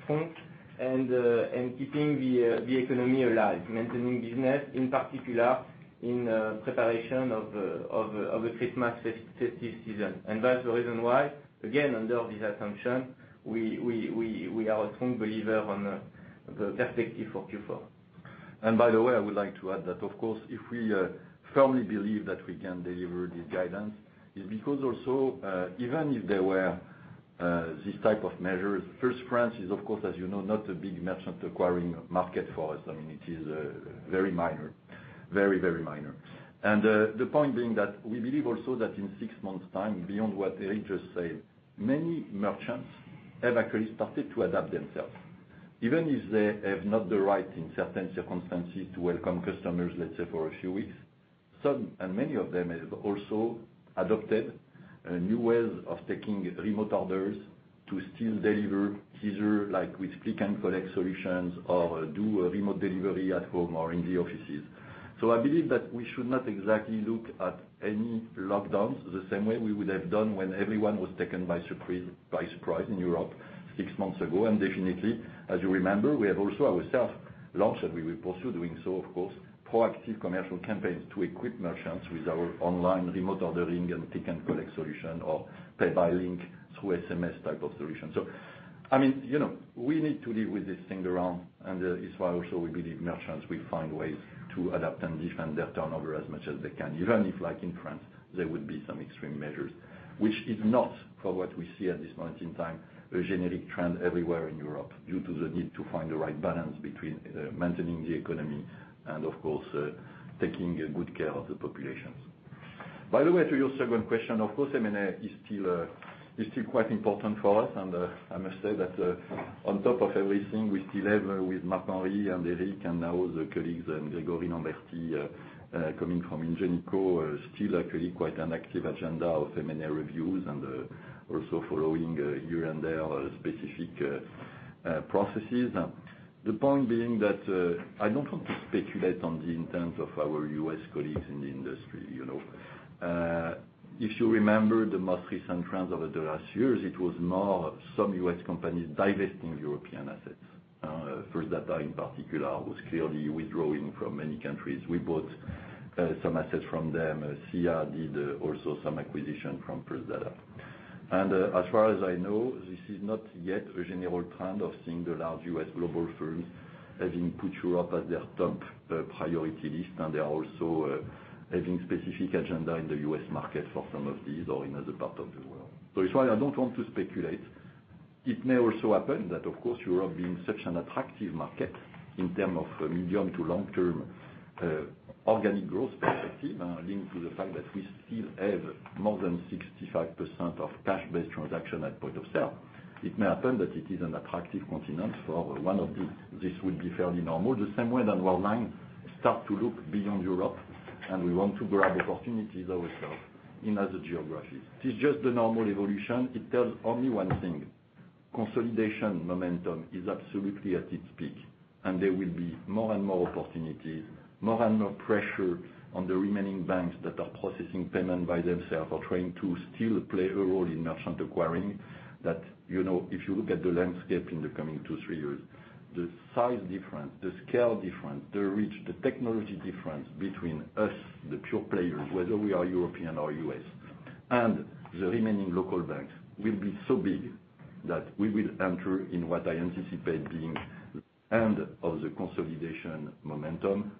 front and keeping the economy alive, maintaining business, in particular in preparation of the Christmas festive season. That's the reason why, again, under this assumption, we are a strong believer in the perspective for Q4. And by the way, I would like to add that, of course, if we firmly believe that we can deliver this guidance is because also, even if there were these type of measures, first, France is, of course, as you know, not a big merchant acquiring market for us. I mean, it is very minor, very, very minor. And the point being that we believe also that in six months' time, beyond what Eric just said, many merchants have actually started to adapt themselves. Even if they have not the right in certain circumstances to welcome customers, let's say, for a few weeks, some and many of them have also adopted new ways of taking remote orders to still deliver easier with click-and-collect solutions or do remote delivery at home or in the offices. So I believe that we should not exactly look at any lockdowns the same way we would have done when everyone was taken by surprise in Europe six months ago. And definitely, as you remember, we have also ourselves launched, and we will pursue doing so, of course, proactive commercial campaigns to equip merchants with our online remote ordering and click-and-collect solution or pay-by-link through SMS type of solution. So I mean, we need to live with this thing around. And that is why also we believe merchants will find ways to adapt and defend their turnover as much as they can, even if in France, there would be some extreme measures, which is not, for what we see at this moment in time, a generic trend everywhere in Europe due to the need to find the right balance between maintaining the economy and, of course, taking good care of the populations. By the way, to your second question, of course, M&A is still quite important for us. And I must say that on top of everything, we still have with Marc-Henri and Eric and now the colleagues and Grégory Lambertie coming from Ingenico still actually quite an active agenda of M&A reviews and also following here and there specific processes. The point being that I don't want to speculate on the intent of our U.S. colleagues in the industry. If you remember the most recent trends over the last years, it was more some U.S. companies divesting European assets. First Data in particular was clearly withdrawing from many countries. We bought some assets from them. SIA did also some acquisition from First Data. And as far as I know, this is not yet a general trend of seeing the large U.S. global firms having put Europe as their top priority list and they are also having specific agenda in the U.S. market for some of these or in other parts of the world. So it's why I don't want to speculate. It may also happen that, of course, Europe being such an attractive market in terms of medium to long-term organic growth perspective linked to the fact that we still have more than 65% of cash-based transaction at point of sale, it may happen that it is an attractive continent for one of these. This would be fairly normal the same way that Worldline starts to look beyond Europe, and we want to grab opportunities ourselves in other geographies. It is just the normal evolution. It tells only one thing. Consolidation momentum is absolutely at its peak, and there will be more and more opportunities, more and more pressure on the remaining banks that are processing payment by themselves or trying to still play a role in merchant acquiring. That if you look at the landscape in the coming 2-3 years, the size difference, the scale difference, the reach, the technology difference between us, the pure players, whether we are European or U.S., and the remaining local banks will be so big that we will enter in what I anticipate being the end of the consolidation momentum.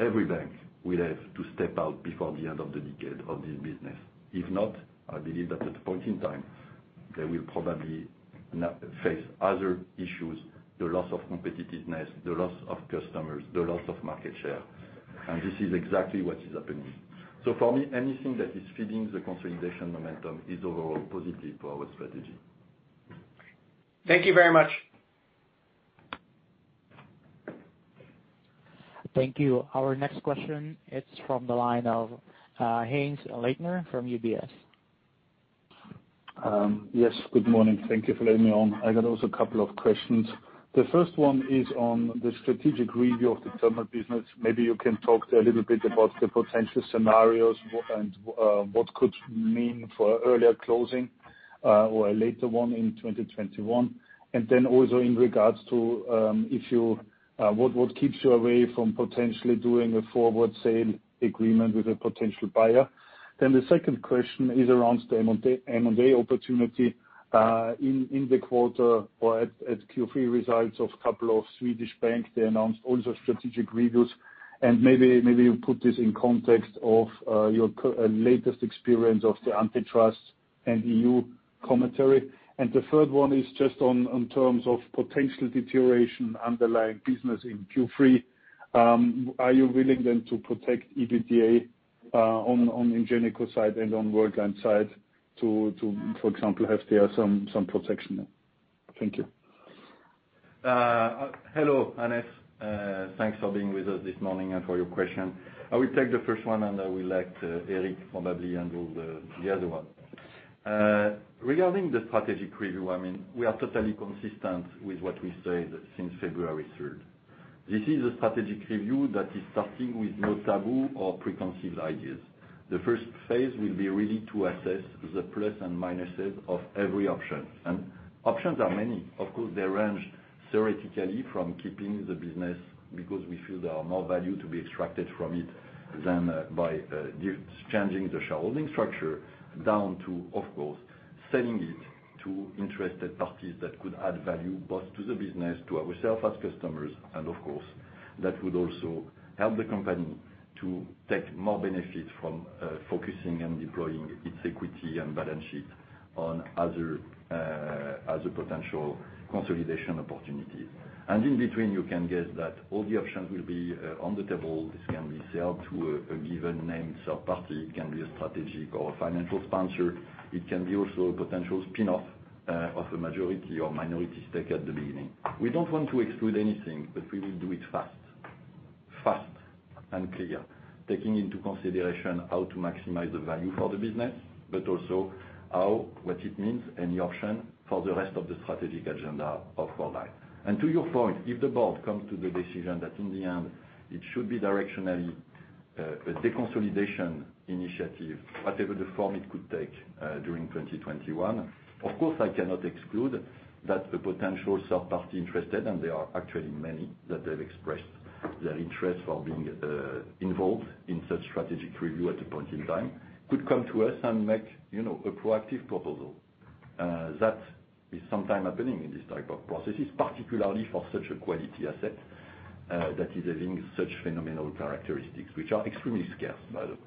Every bank will have to step out before the end of the decade of this business. If not, I believe that at a point in time, they will probably face other issues, the loss of competitiveness, the loss of customers, the loss of market share. This is exactly what is happening. For me, anything that is feeding the consolidation momentum is overall positive for our strategy. Thank you very much. Thank you. Our next question, it's from the line of Hannes Leitner from UBS. Yes. Good morning. Thank you for letting me on. I got also a couple of questions. The first one is on the strategic review of the terminal business. Maybe you can talk a little bit about the potential scenarios and what could mean for an earlier closing or a later one in 2021. And then also in regards to what keeps you away from potentially doing a forward sale agreement with a potential buyer. Then the second question is around the M&A opportunity in the quarter or at Q3 results of a couple of Swedish banks. They announced also strategic reviews. And maybe you put this in context of your latest experience of the antitrust and EU commentary. And the third one is just in terms of potential deterioration underlying business in Q3. Are you willing then to protect EBTA on Ingenico side and on Worldline side to, for example, have there some protection there? Thank you. Hello, Hannes. Thanks for being with us this morning and for your question. I will take the first one, and I would like Eric probably to handle the other one. Regarding the strategic review, I mean, we are totally consistent with what we said since February 3rd. This is a strategic review that is starting with no taboo or preconceived ideas. The first phase will be really to assess the plus and minuses of every option. And options are many. Of course, they range theoretically from keeping the business because we feel there are more value to be extracted from it than by changing the shareholding structure down to, of course, selling it to interested parties that could add value both to the business, to ourselves as customers, and of course, that would also help the company to take more benefit from focusing and deploying its equity and balance sheet on other potential consolidation opportunities. In between, you can guess that all the options will be on the table. This can be sold to a given named third party. It can be a strategic or a financial sponsor. It can be also a potential spin-off of a majority or minority stake at the beginning. We don't want to exclude anything, but we will do it fast, fast and clear, taking into consideration how to maximize the value for the business, but also what it means, any option, for the rest of the strategic agenda of Worldline. And to your point, if the board comes to the decision that in the end, it should be directionally a deconsolidation initiative, whatever the form it could take during 2021, of course, I cannot exclude that a potential third party interested, and there are actually many that have expressed their interest for being involved in such strategic review at a point in time, could come to us and make a proactive proposal. That is sometimes happening in this type of processes, particularly for such a quality asset that is having such phenomenal characteristics, which are extremely scarce, by the way.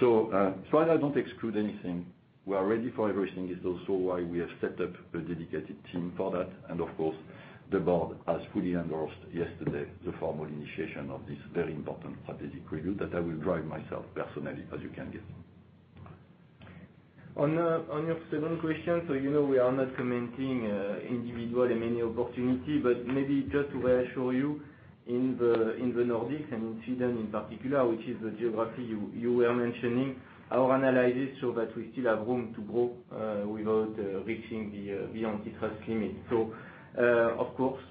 So while I don't exclude anything, we are ready for everything. It's also why we have set up a dedicated team for that. And of course, the Board has fully endorsed yesterday the formal initiation of this very important strategic review that I will drive myself personally as you can guess. On your second question, we are not commenting on individual M&A opportunities, but maybe just to reassure you, in the Nordics and in Sweden in particular, which is the geography you were mentioning, our analysis showed that we still have room to grow without reaching the antitrust limit. So of course,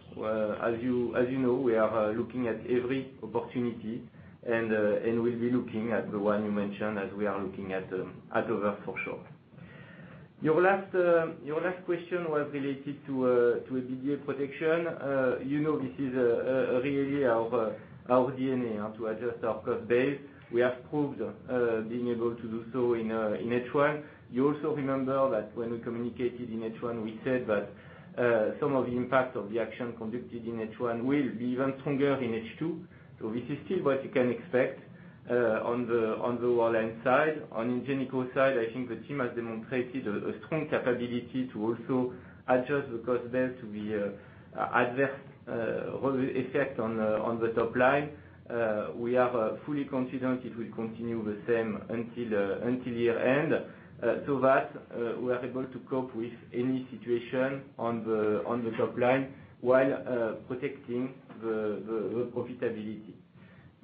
as you know, we are looking at every opportunity and will be looking at the one you mentioned as we are looking at others for sure. Your last question was related to EBITDA protection. You know this is really our B&A to adjust our cost base. We have proved being able to do so in H1. You also remember that when we communicated in H1, we said that some of the impact of the action conducted in H1 will be even stronger in H2. So this is still what you can expect on the Worldline side. On Ingenico side, I think the team has demonstrated a strong capability to also adjust the cost base to the adverse effect on the top line. We are fully confident it will continue the same until year-end so that we are able to cope with any situation on the top line while protecting the profitability.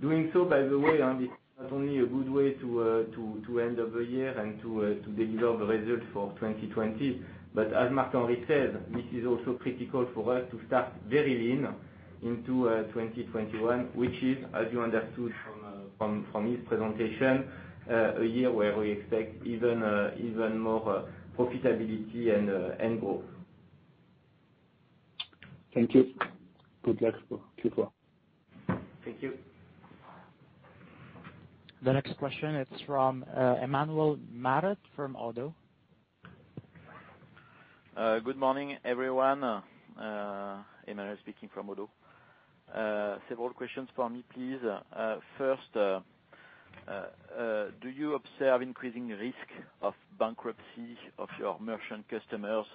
Doing so, by the way, this is not only a good way to end up the year and to deliver the results for 2020, but as Marc-Henri says, this is also critical for us to start very lean into 2021, which is, as you understood from his presentation, a year where we expect even more profitability and growth. Thank you. Good luck for Q4. Thank you. The next question, it's from Emmanuel Matot from Oddo BHF. Good morning, everyone. Emmanuel Matot speaking from Oddo BHF. Several questions for me, please. First, do you observe increasing risk of bankruptcy of your merchant customers,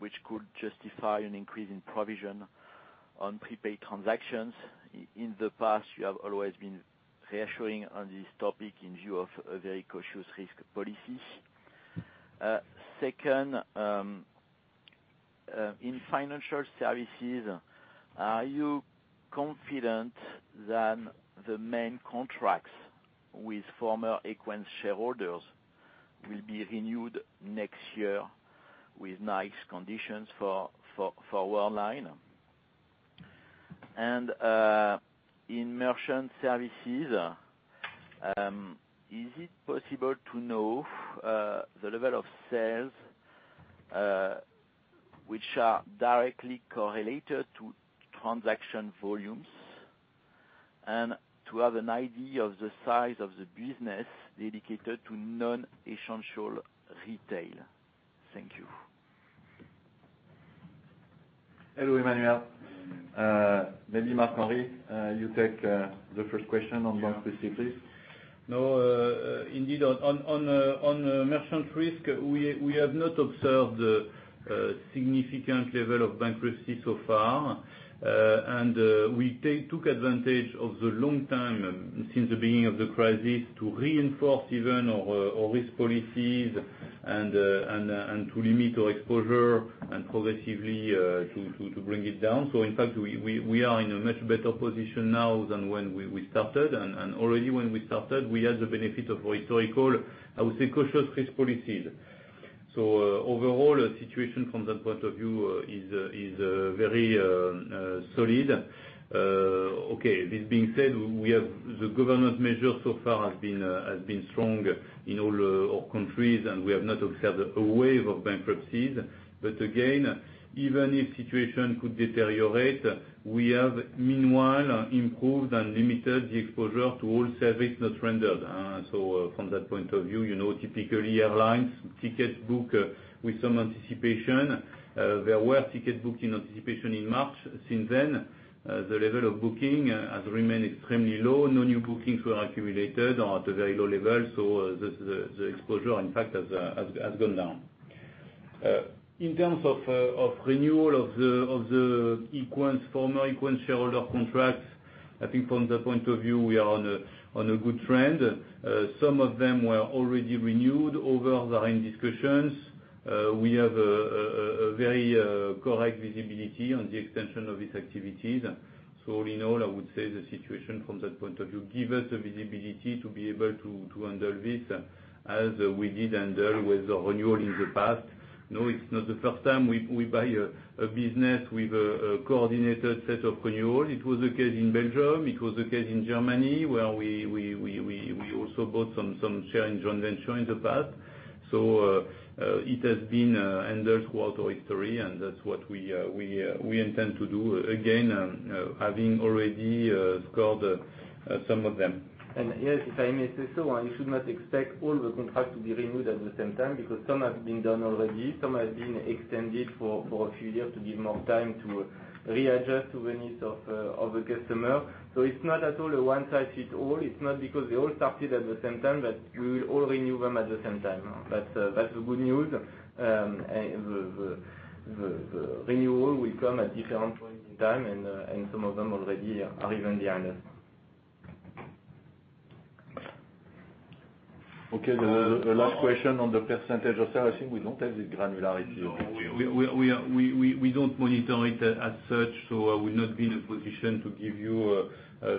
which could justify an increase in provision on prepaid transactions? In the past, you have always been reassuring on this topic in view of a very cautious risk policy. Second, in Financial Services, are you confident that the main contracts with former Equens shareholders will be renewed next year with nice conditions for Worldline? And in Merchant Services, is it possible to know the level of sales which are directly correlated to transaction volumes and to have an idea of the size of the business dedicated to non-essential retail? Thank you. Hello, Emmanuel. Maybe Marc-Henri, you take the first question on bankruptcy, please. No, indeed, on merchant risk, we have not observed a significant level of bankruptcy so far. And we took advantage of the long time since the beginning of the crisis to reinforce even our risk policies and to limit our exposure and progressively to bring it down. So in fact, we are in a much better position now than when we started. And already when we started, we had the benefit of historical, I would say, cautious risk policies. So overall, the situation from that point of view is very solid. Okay, this being said, the government measure so far has been strong in all our countries, and we have not observed a wave of bankruptcies. But again, even if the situation could deteriorate, we have meanwhile improved and limited the exposure to all services not rendered. So from that point of view, typically, airlines ticket book with some anticipation. There were ticket booking anticipations in March. Since then, the level of booking has remained extremely low. No new bookings were accumulated or at a very low level, so the exposure, in fact, has gone down. In terms of renewal of the former Equens shareholder contracts, I think from that point of view, we are on a good trend. Some of them were already renewed. Others are in discussions. We have a very correct visibility on the extension of these activities. So all in all, I would say the situation from that point of view gives us the visibility to be able to handle this as we did handle with the renewal in the past. No, it's not the first time we buy a business with a coordinated set of renewals. It was the case in Belgium. It was the case in Germany where we also bought some share in joint venture in the past. So it has been handled throughout our history, and that's what we intend to do, again, having already scored some of them. Yes, if I may say so, you should not expect all the contracts to be renewed at the same time because some have been done already. Some have been extended for a few years to give more time to readjust to the needs of the customer. So it's not at all a one-size-fits-all. It's not because they all started at the same time that we will all renew them at the same time. That's the good news. The renewal will come at different points in time, and some of them already are even behind us. Okay. The last question on the percentage of sales, I think we don't have this granularity of it. We don't monitor it as such, so I will not be in a position to give you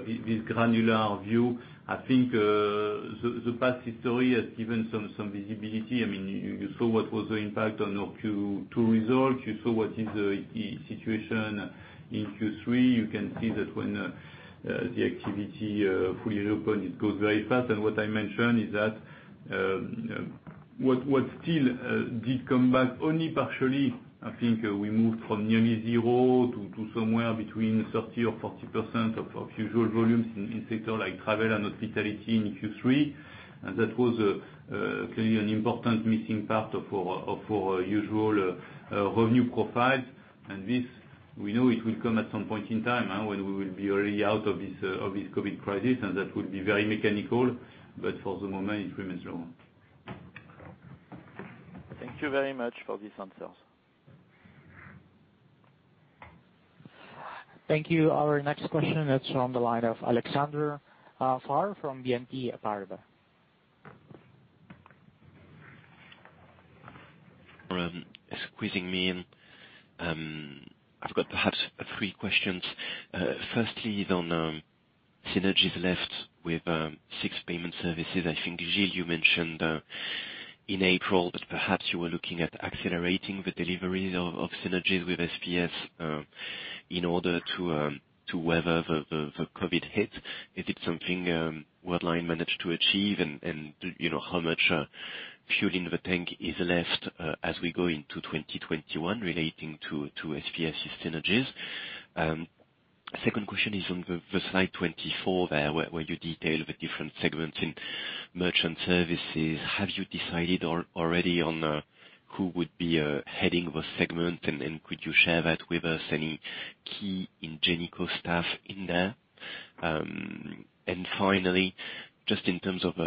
this granular view. I think the past history has given some visibility. I mean, you saw what was the impact on our Q2 results. You saw what is the situation in Q3. You can see that when the activity fully reopens, it goes very fast. And what I mentioned is that what still did come back only partially, I think we moved from nearly zero to somewhere between 30% or 40% of usual volumes in sectors like travel and hospitality in Q3. And that was clearly an important missing part of our usual revenue profiles. And we know it will come at some point in time when we will be already out of this COVID crisis, and that will be very mechanical. But for the moment, it remains low. Thank you very much for these answers. Thank you. Our next question, it's on the line of Alexandre Faure from BNP Paribas. Squeezing me in, I've got perhaps three questions. Firstly, the synergies left with SIX Payment Services. I think, Gilles, you mentioned in April that perhaps you were looking at accelerating the deliveries of synergies with SPS in order to weather the COVID hit. Is it something Worldline managed to achieve, and how much fuel in the tank is left as we go into 2021 relating to SPS's synergies? Second question is on the slide 24 there where you detail the different segments in Merchant Services. Have you decided already on who would be heading those segments, and could you share that with us, any key Ingenico staff in there? And finally, just in terms of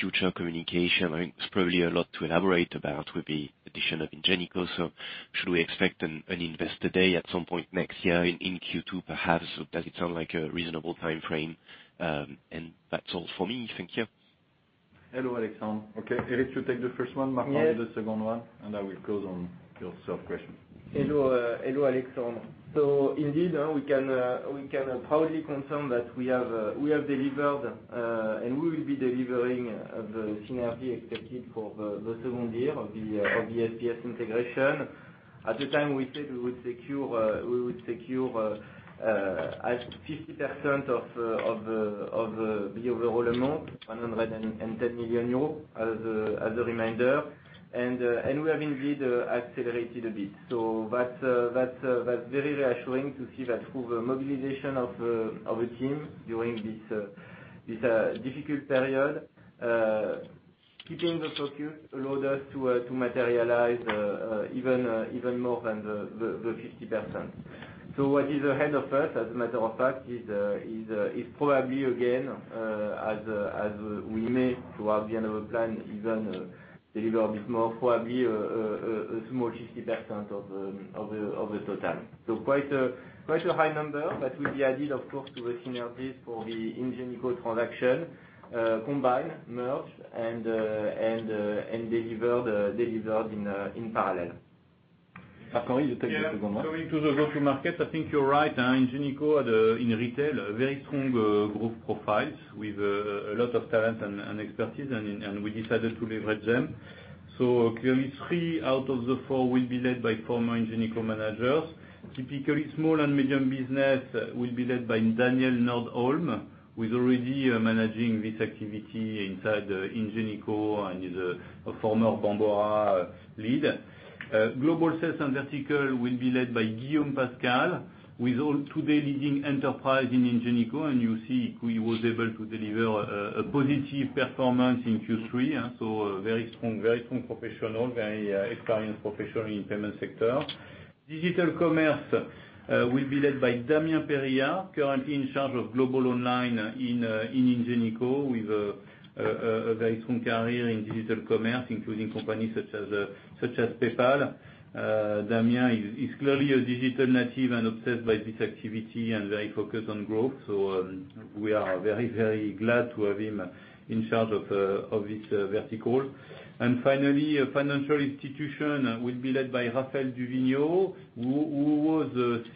future communication, I mean, there's probably a lot to elaborate about with the addition of Ingenico. So should we expect an investor day at some point next year in Q2, perhaps? Does it sound like a reasonable timeframe? That's all for me. Thank you. Hello, Alexandre. Okay, Eric, you take the first one. Marc-Henri, the second one. And I will close on your third question. Hello, Alexandre. So indeed, we can proudly confirm that we have delivered, and we will be delivering, the synergy expected for the second year of the SPS integration. At the time, we said we would secure 50% of the overall amount, 110 million euro as a reminder. And we have indeed accelerated a bit. So that's very reassuring to see that through the mobilization of a team during this difficult period, keeping the focus allowed us to materialize even more than the 50%. So what is ahead of us, as a matter of fact, is probably, again, as we may, towards the end of the plan, even deliver a bit more, probably a small 50% of the total. So quite a high number, but will be added, of course, to the synergies for the Ingenico transaction, combined, merged, and delivered in parallel. Marc-Henri, you take the second one. Yeah. Going to the go-to-market, I think you're right. Ingenico in retail, very strong growth profiles with a lot of talent and expertise, and we decided to leverage them. So clearly, three out of the four will be led by former Ingenico managers. Typically, small and medium business will be led by Danielle Lagarde, who is already managing this activity inside Ingenico and is a former Bambora lead. Global sales and verticals will be led by Guillaume Pascal, who is today leading enterprise in Ingenico. And you see he was able to deliver a positive performance in Q3. So very strong, very strong professional, very experienced professional in payment sector. Digital commerce will be led by Damien Perillat, currently in charge of Global Online in Ingenico, with a very strong career in digital commerce, including companies such as PayPal. Damien is clearly a digital native and obsessed by this activity and very focused on growth. So we are very, very glad to have him in charge of this vertical. And finally, Financial Institutions will be led by Raphaël de Vignaux, who was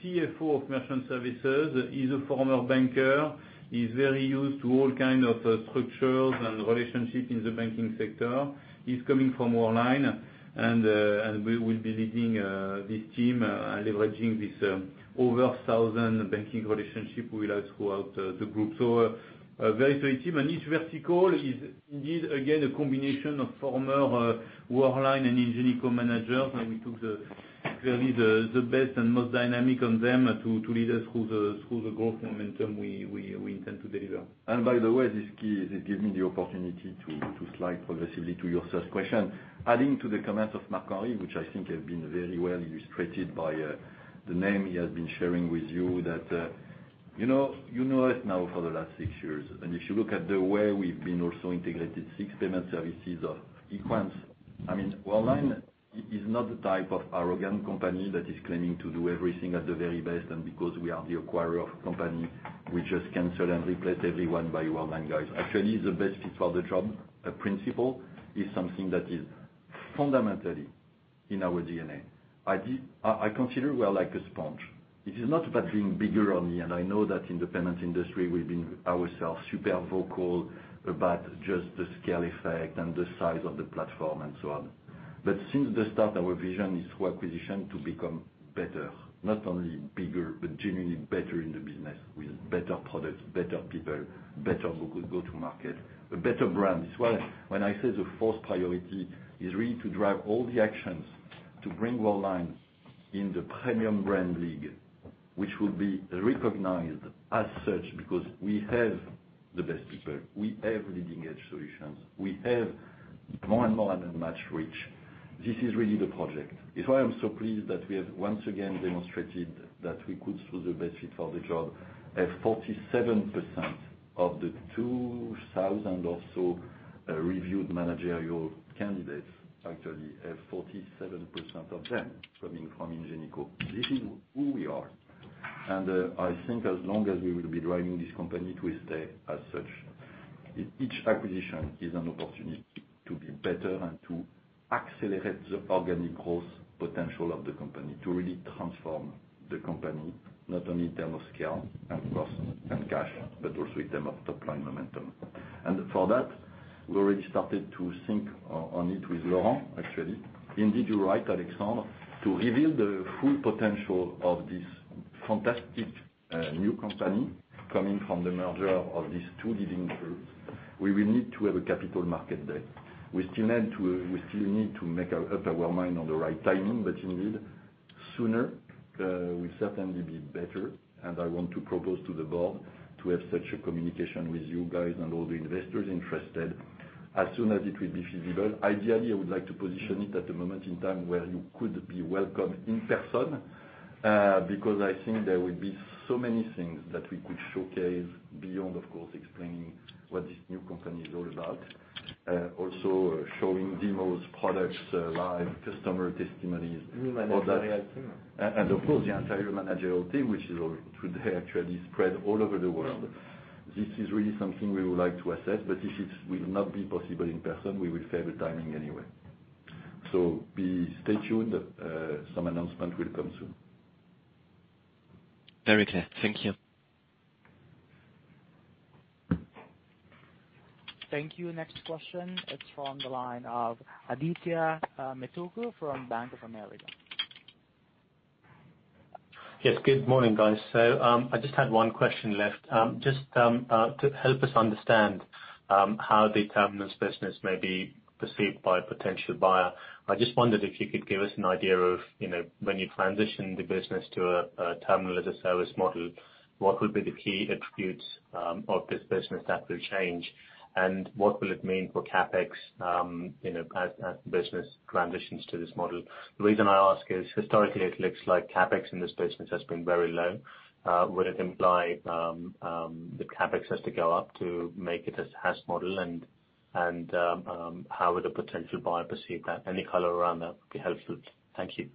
CFO of Merchant Services. He's a former banker. He's very used to all kinds of structures and relationships in the banking sector. He's coming from Worldline and will be leading this team and leveraging this over 1,000 banking relationships we have throughout the group. So a very solid team. And each vertical is indeed, again, a combination of former Worldline and Ingenico managers. And we took clearly the best and most dynamic of them to lead us through the growth momentum we intend to deliver. And by the way, this gave me the opportunity to slide progressively to your third question. Adding to the comments of Marc-Henri, which I think have been very well illustrated by the name he has been sharing with you, that you know us now for the last six years. And if you look at the way we've been also integrated, six payment services of Equens. I mean, Worldline is not the type of arrogant company that is claiming to do everything at the very best. And because we are the acquirer of a company, we just cancel and replace everyone by Worldline guys. Actually, the best fit for the job principle is something that is fundamentally in our DNA. I consider we're like a sponge. It is not about being bigger or me. I know that in the payment industry, we've been ourselves super vocal about just the scale effect and the size of the platform and so on. But since the start, our vision is through acquisition to become better, not only bigger, but genuinely better in the business with better products, better people, better go-to-market, a better brand. When I say the fourth priority is really to drive all the actions to bring Worldline in the premium brand league, which will be recognized as such because we have the best people. We have leading-edge solutions. We have more and more and much reach. This is really the project. It's why I'm so pleased that we have once again demonstrated that we could, through the best fit for the job, have 47% of the 2,000 or so reviewed managerial candidates, actually, have 47% of them coming from Ingenico. This is who we are. I think as long as we will be driving this company, we will stay as such. Each acquisition is an opportunity to be better and to accelerate the organic growth potential of the company, to really transform the company, not only in terms of scale and cost and cash, but also in terms of top-line momentum. For that, we already started to think on it with Laurent, actually. Indeed, you're right, Alexandre. To reveal the full potential of this fantastic new company coming from the merger of these two leading groups, we will need to have a capital market day. We still need to make up our mind on the right timing. Indeed, sooner, we'll certainly be better. I want to propose to the board to have such a communication with you guys and all the investors interested as soon as it will be feasible. Ideally, I would like to position it at a moment in time where you could be welcomed in person because I think there will be so many things that we could showcase beyond, of course, explaining what this new company is all about, also showing demos, products live, customer testimonies. New managerial team. Of course, the entire managerial team, which is today, actually, spread all over the world. This is really something we would like to assess. But if it will not be possible in person, we will fail the timing anyway. So stay tuned. Some announcement will come soon. Very clear. Thank you. Thank you. Next question, it's from the line of Adithya Metuku from Bank of America. Yes. Good morning, guys. So I just had one question left. Just to help us understand how the terminals business may be perceived by a potential buyer, I just wondered if you could give us an idea of when you transition the business to a terminal as a service model, what will be the key attributes of this business that will change, and what will it mean for CapEx as the business transitions to this model? The reason I ask is, historically, it looks like CapEx in this business has been very low. Would it imply that CapEx has to go up to make it a SaaS model? And how would a potential buyer perceive that? Any color around that would be helpful. Thank you.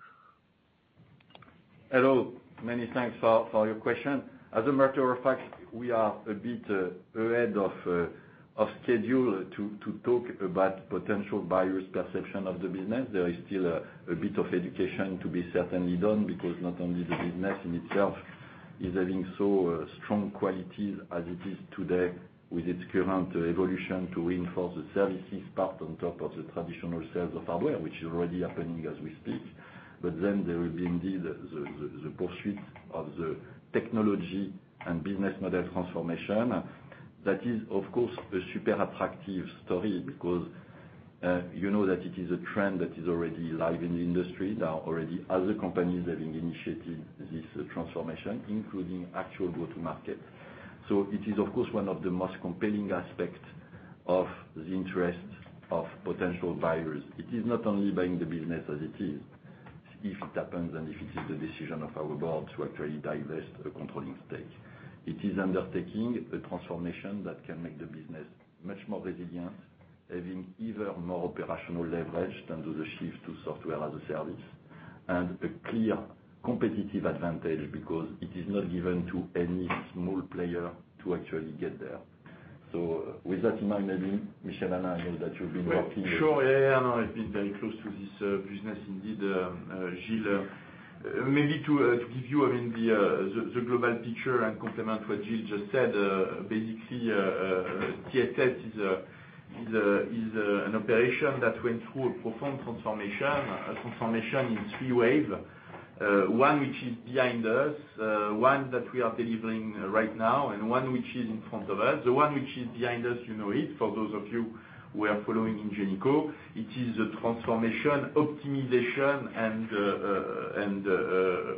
Hello. Many thanks for your question. As a matter of fact, we are a bit ahead of schedule to talk about potential buyers' perception of the business. There is still a bit of education to be certainly done because not only the business in itself is having so strong qualities as it is today with its current evolution to reinforce the services part on top of the traditional sales of hardware, which is already happening as we speak. But then there will be indeed the pursuit of the technology and business model transformation. That is, of course, a super attractive story because you know that it is a trend that is already live in the industry. There are already other companies having initiated this transformation, including actual go-to-market. So it is, of course, one of the most compelling aspects of the interest of potential buyers. It is not only buying the business as it is if it happens and if it is the decision of our board to actually divest a controlling stake. It is undertaking a transformation that can make the business much more resilient, having either more operational leverage than does a shift to software as a service, and a clear competitive advantage because it is not given to any small player to actually get there. So with that in mind, maybe Michel-Alain, I know that you've been working. Sure. Yeah, yeah, yeah. No, I've been very close to this business indeed. Gilles, maybe to give you, I mean, the global picture and complement what Gilles just said, basically, TSS is an operation that went through a profound transformation, a transformation in three waves: one which is behind us, one that we are delivering right now, and one which is in front of us. The one which is behind us, you know it. For those of you who are following Ingenico, it is the transformation, optimization, and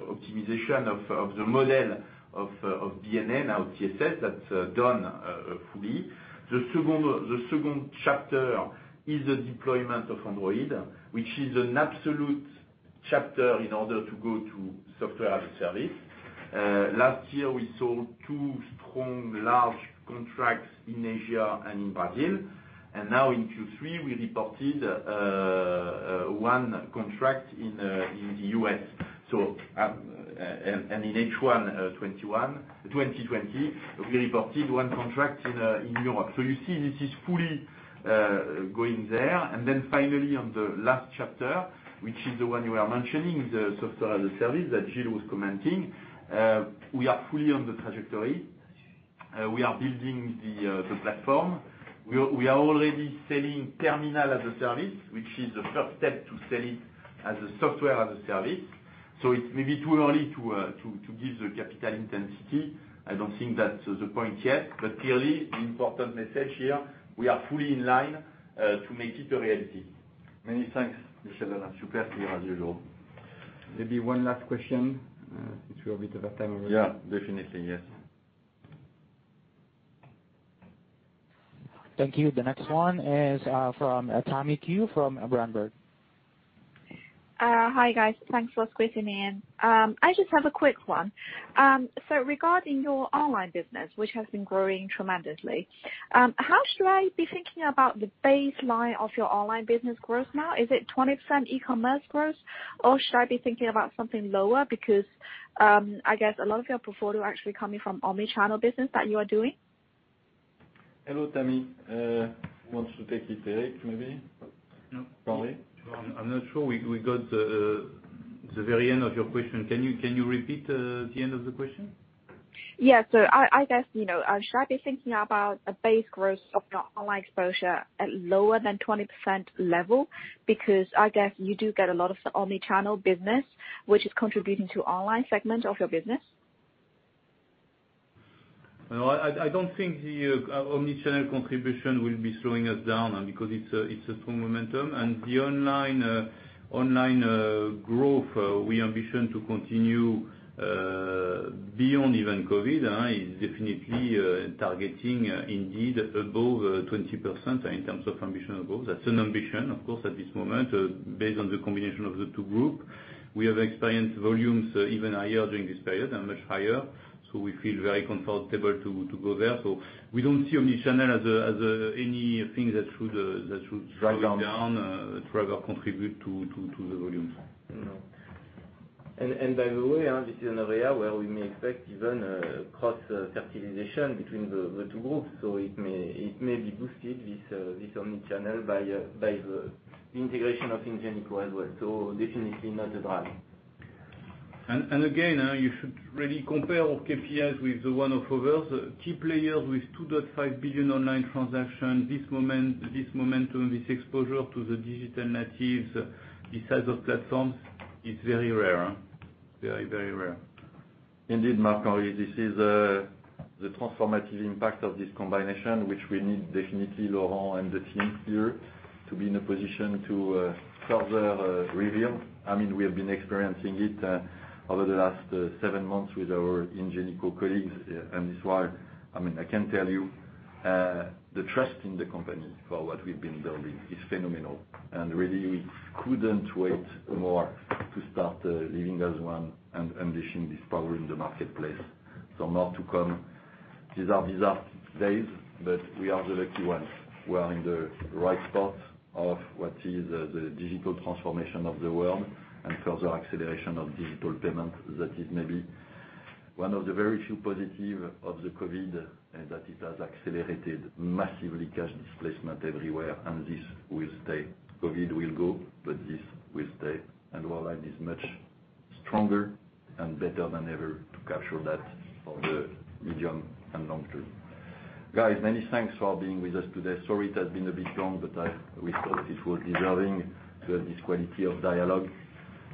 optimization of the model of DNA, now TSS, that's done fully. The second chapter is the deployment of Android, which is an absolute chapter in order to go to software as a service. Last year, we sold two strong, large contracts in Asia and in Brazil. And now in Q3, we reported one contract in the U.S. In H1 2020, we reported one contract in Europe. So you see this is fully going there. And then finally, on the last chapter, which is the one you were mentioning, the software as a service that Gilles was commenting, we are fully on the trajectory. We are building the platform. We are already selling terminal as a service, which is the first step to sell it as a software as a service. So it's maybe too early to give the capital intensity. I don't think that's the point yet. But clearly, the important message here, we are fully in line to make it a reality. Many thanks, Michel-Alain. Super clear as usual. Maybe one last question since we're a bit over time already. Yeah. Definitely. Yes. Thank you. The next one is from Tammy Qiu from Berenberg. Hi, guys. Thanks for squishing me in. I just have a quick one. Regarding your online business, which has been growing tremendously, how should I be thinking about the baseline of your online business growth now? Is it 20% e-commerce growth, or should I be thinking about something lower because, I guess, a lot of your portfolio actually coming from Omnichannel business that you are doing? Hello, Tammy. Wants to take it, Eric, maybe? No. Sorry? I'm not sure. We got the very end of your question. Can you repeat the end of the question? Yeah. So I guess, should I be thinking about a base growth of your online exposure at lower than 20% level because, I guess, you do get a lot of the omnichannel business, which is contributing to the online segment of your business? Well, I don't think the Omnichannel contribution will be slowing us down because it's a strong momentum. The online growth we ambition to continue beyond even COVID is definitely targeting, indeed, above 20% in terms of ambition above. That's an ambition, of course, at this moment based on the combination of the two groups. We have experienced volumes even higher during this period and much higher. We feel very comfortable to go there. We don't see Omnichannel as anything that should slow down, try to contribute to the volumes. No. And by the way, this is an area where we may expect even cross-fertilization between the two groups. So it may be boosted, this omnichannel, by the integration of Ingenico as well. So definitely not a drag. Again, you should really compare KPIs with the ones of others. Key players with 2.5 billion online transactions, this momentum, this exposure to the digital natives, this size of platforms is very rare. Very, very rare. Indeed, Marc-Henri, this is the transformative impact of this combination, which we need definitely, Laurent and the team here, to be in a position to further reveal. I mean, we have been experiencing it over the last seven months with our Ingenico colleagues. And this while, I mean, I can tell you the trust in the company for what we've been building is phenomenal. And really, we couldn't wait more to start living as one and unleashing this power in the marketplace. So more to come. These are bizarre days, but we are the lucky ones. We are in the right spot of what is the digital transformation of the world and further acceleration of digital payments. That is maybe one of the very few positives of the COVID that it has accelerated massively cash displacement everywhere. This will stay. COVID will go, but this will stay. Worldline is much stronger and better than ever to capture that for the medium and long term. Guys, many thanks for being with us today. Sorry it has been a bit long, but we thought it was deserving to have this quality of dialogue.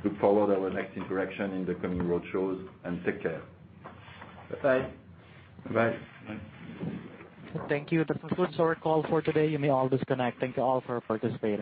Look forward to our next interaction in the coming roadshows. Take care. Bye-bye. Bye-bye. Thank you. This was good. Our call for today. You may all disconnect. Thank you all for participating.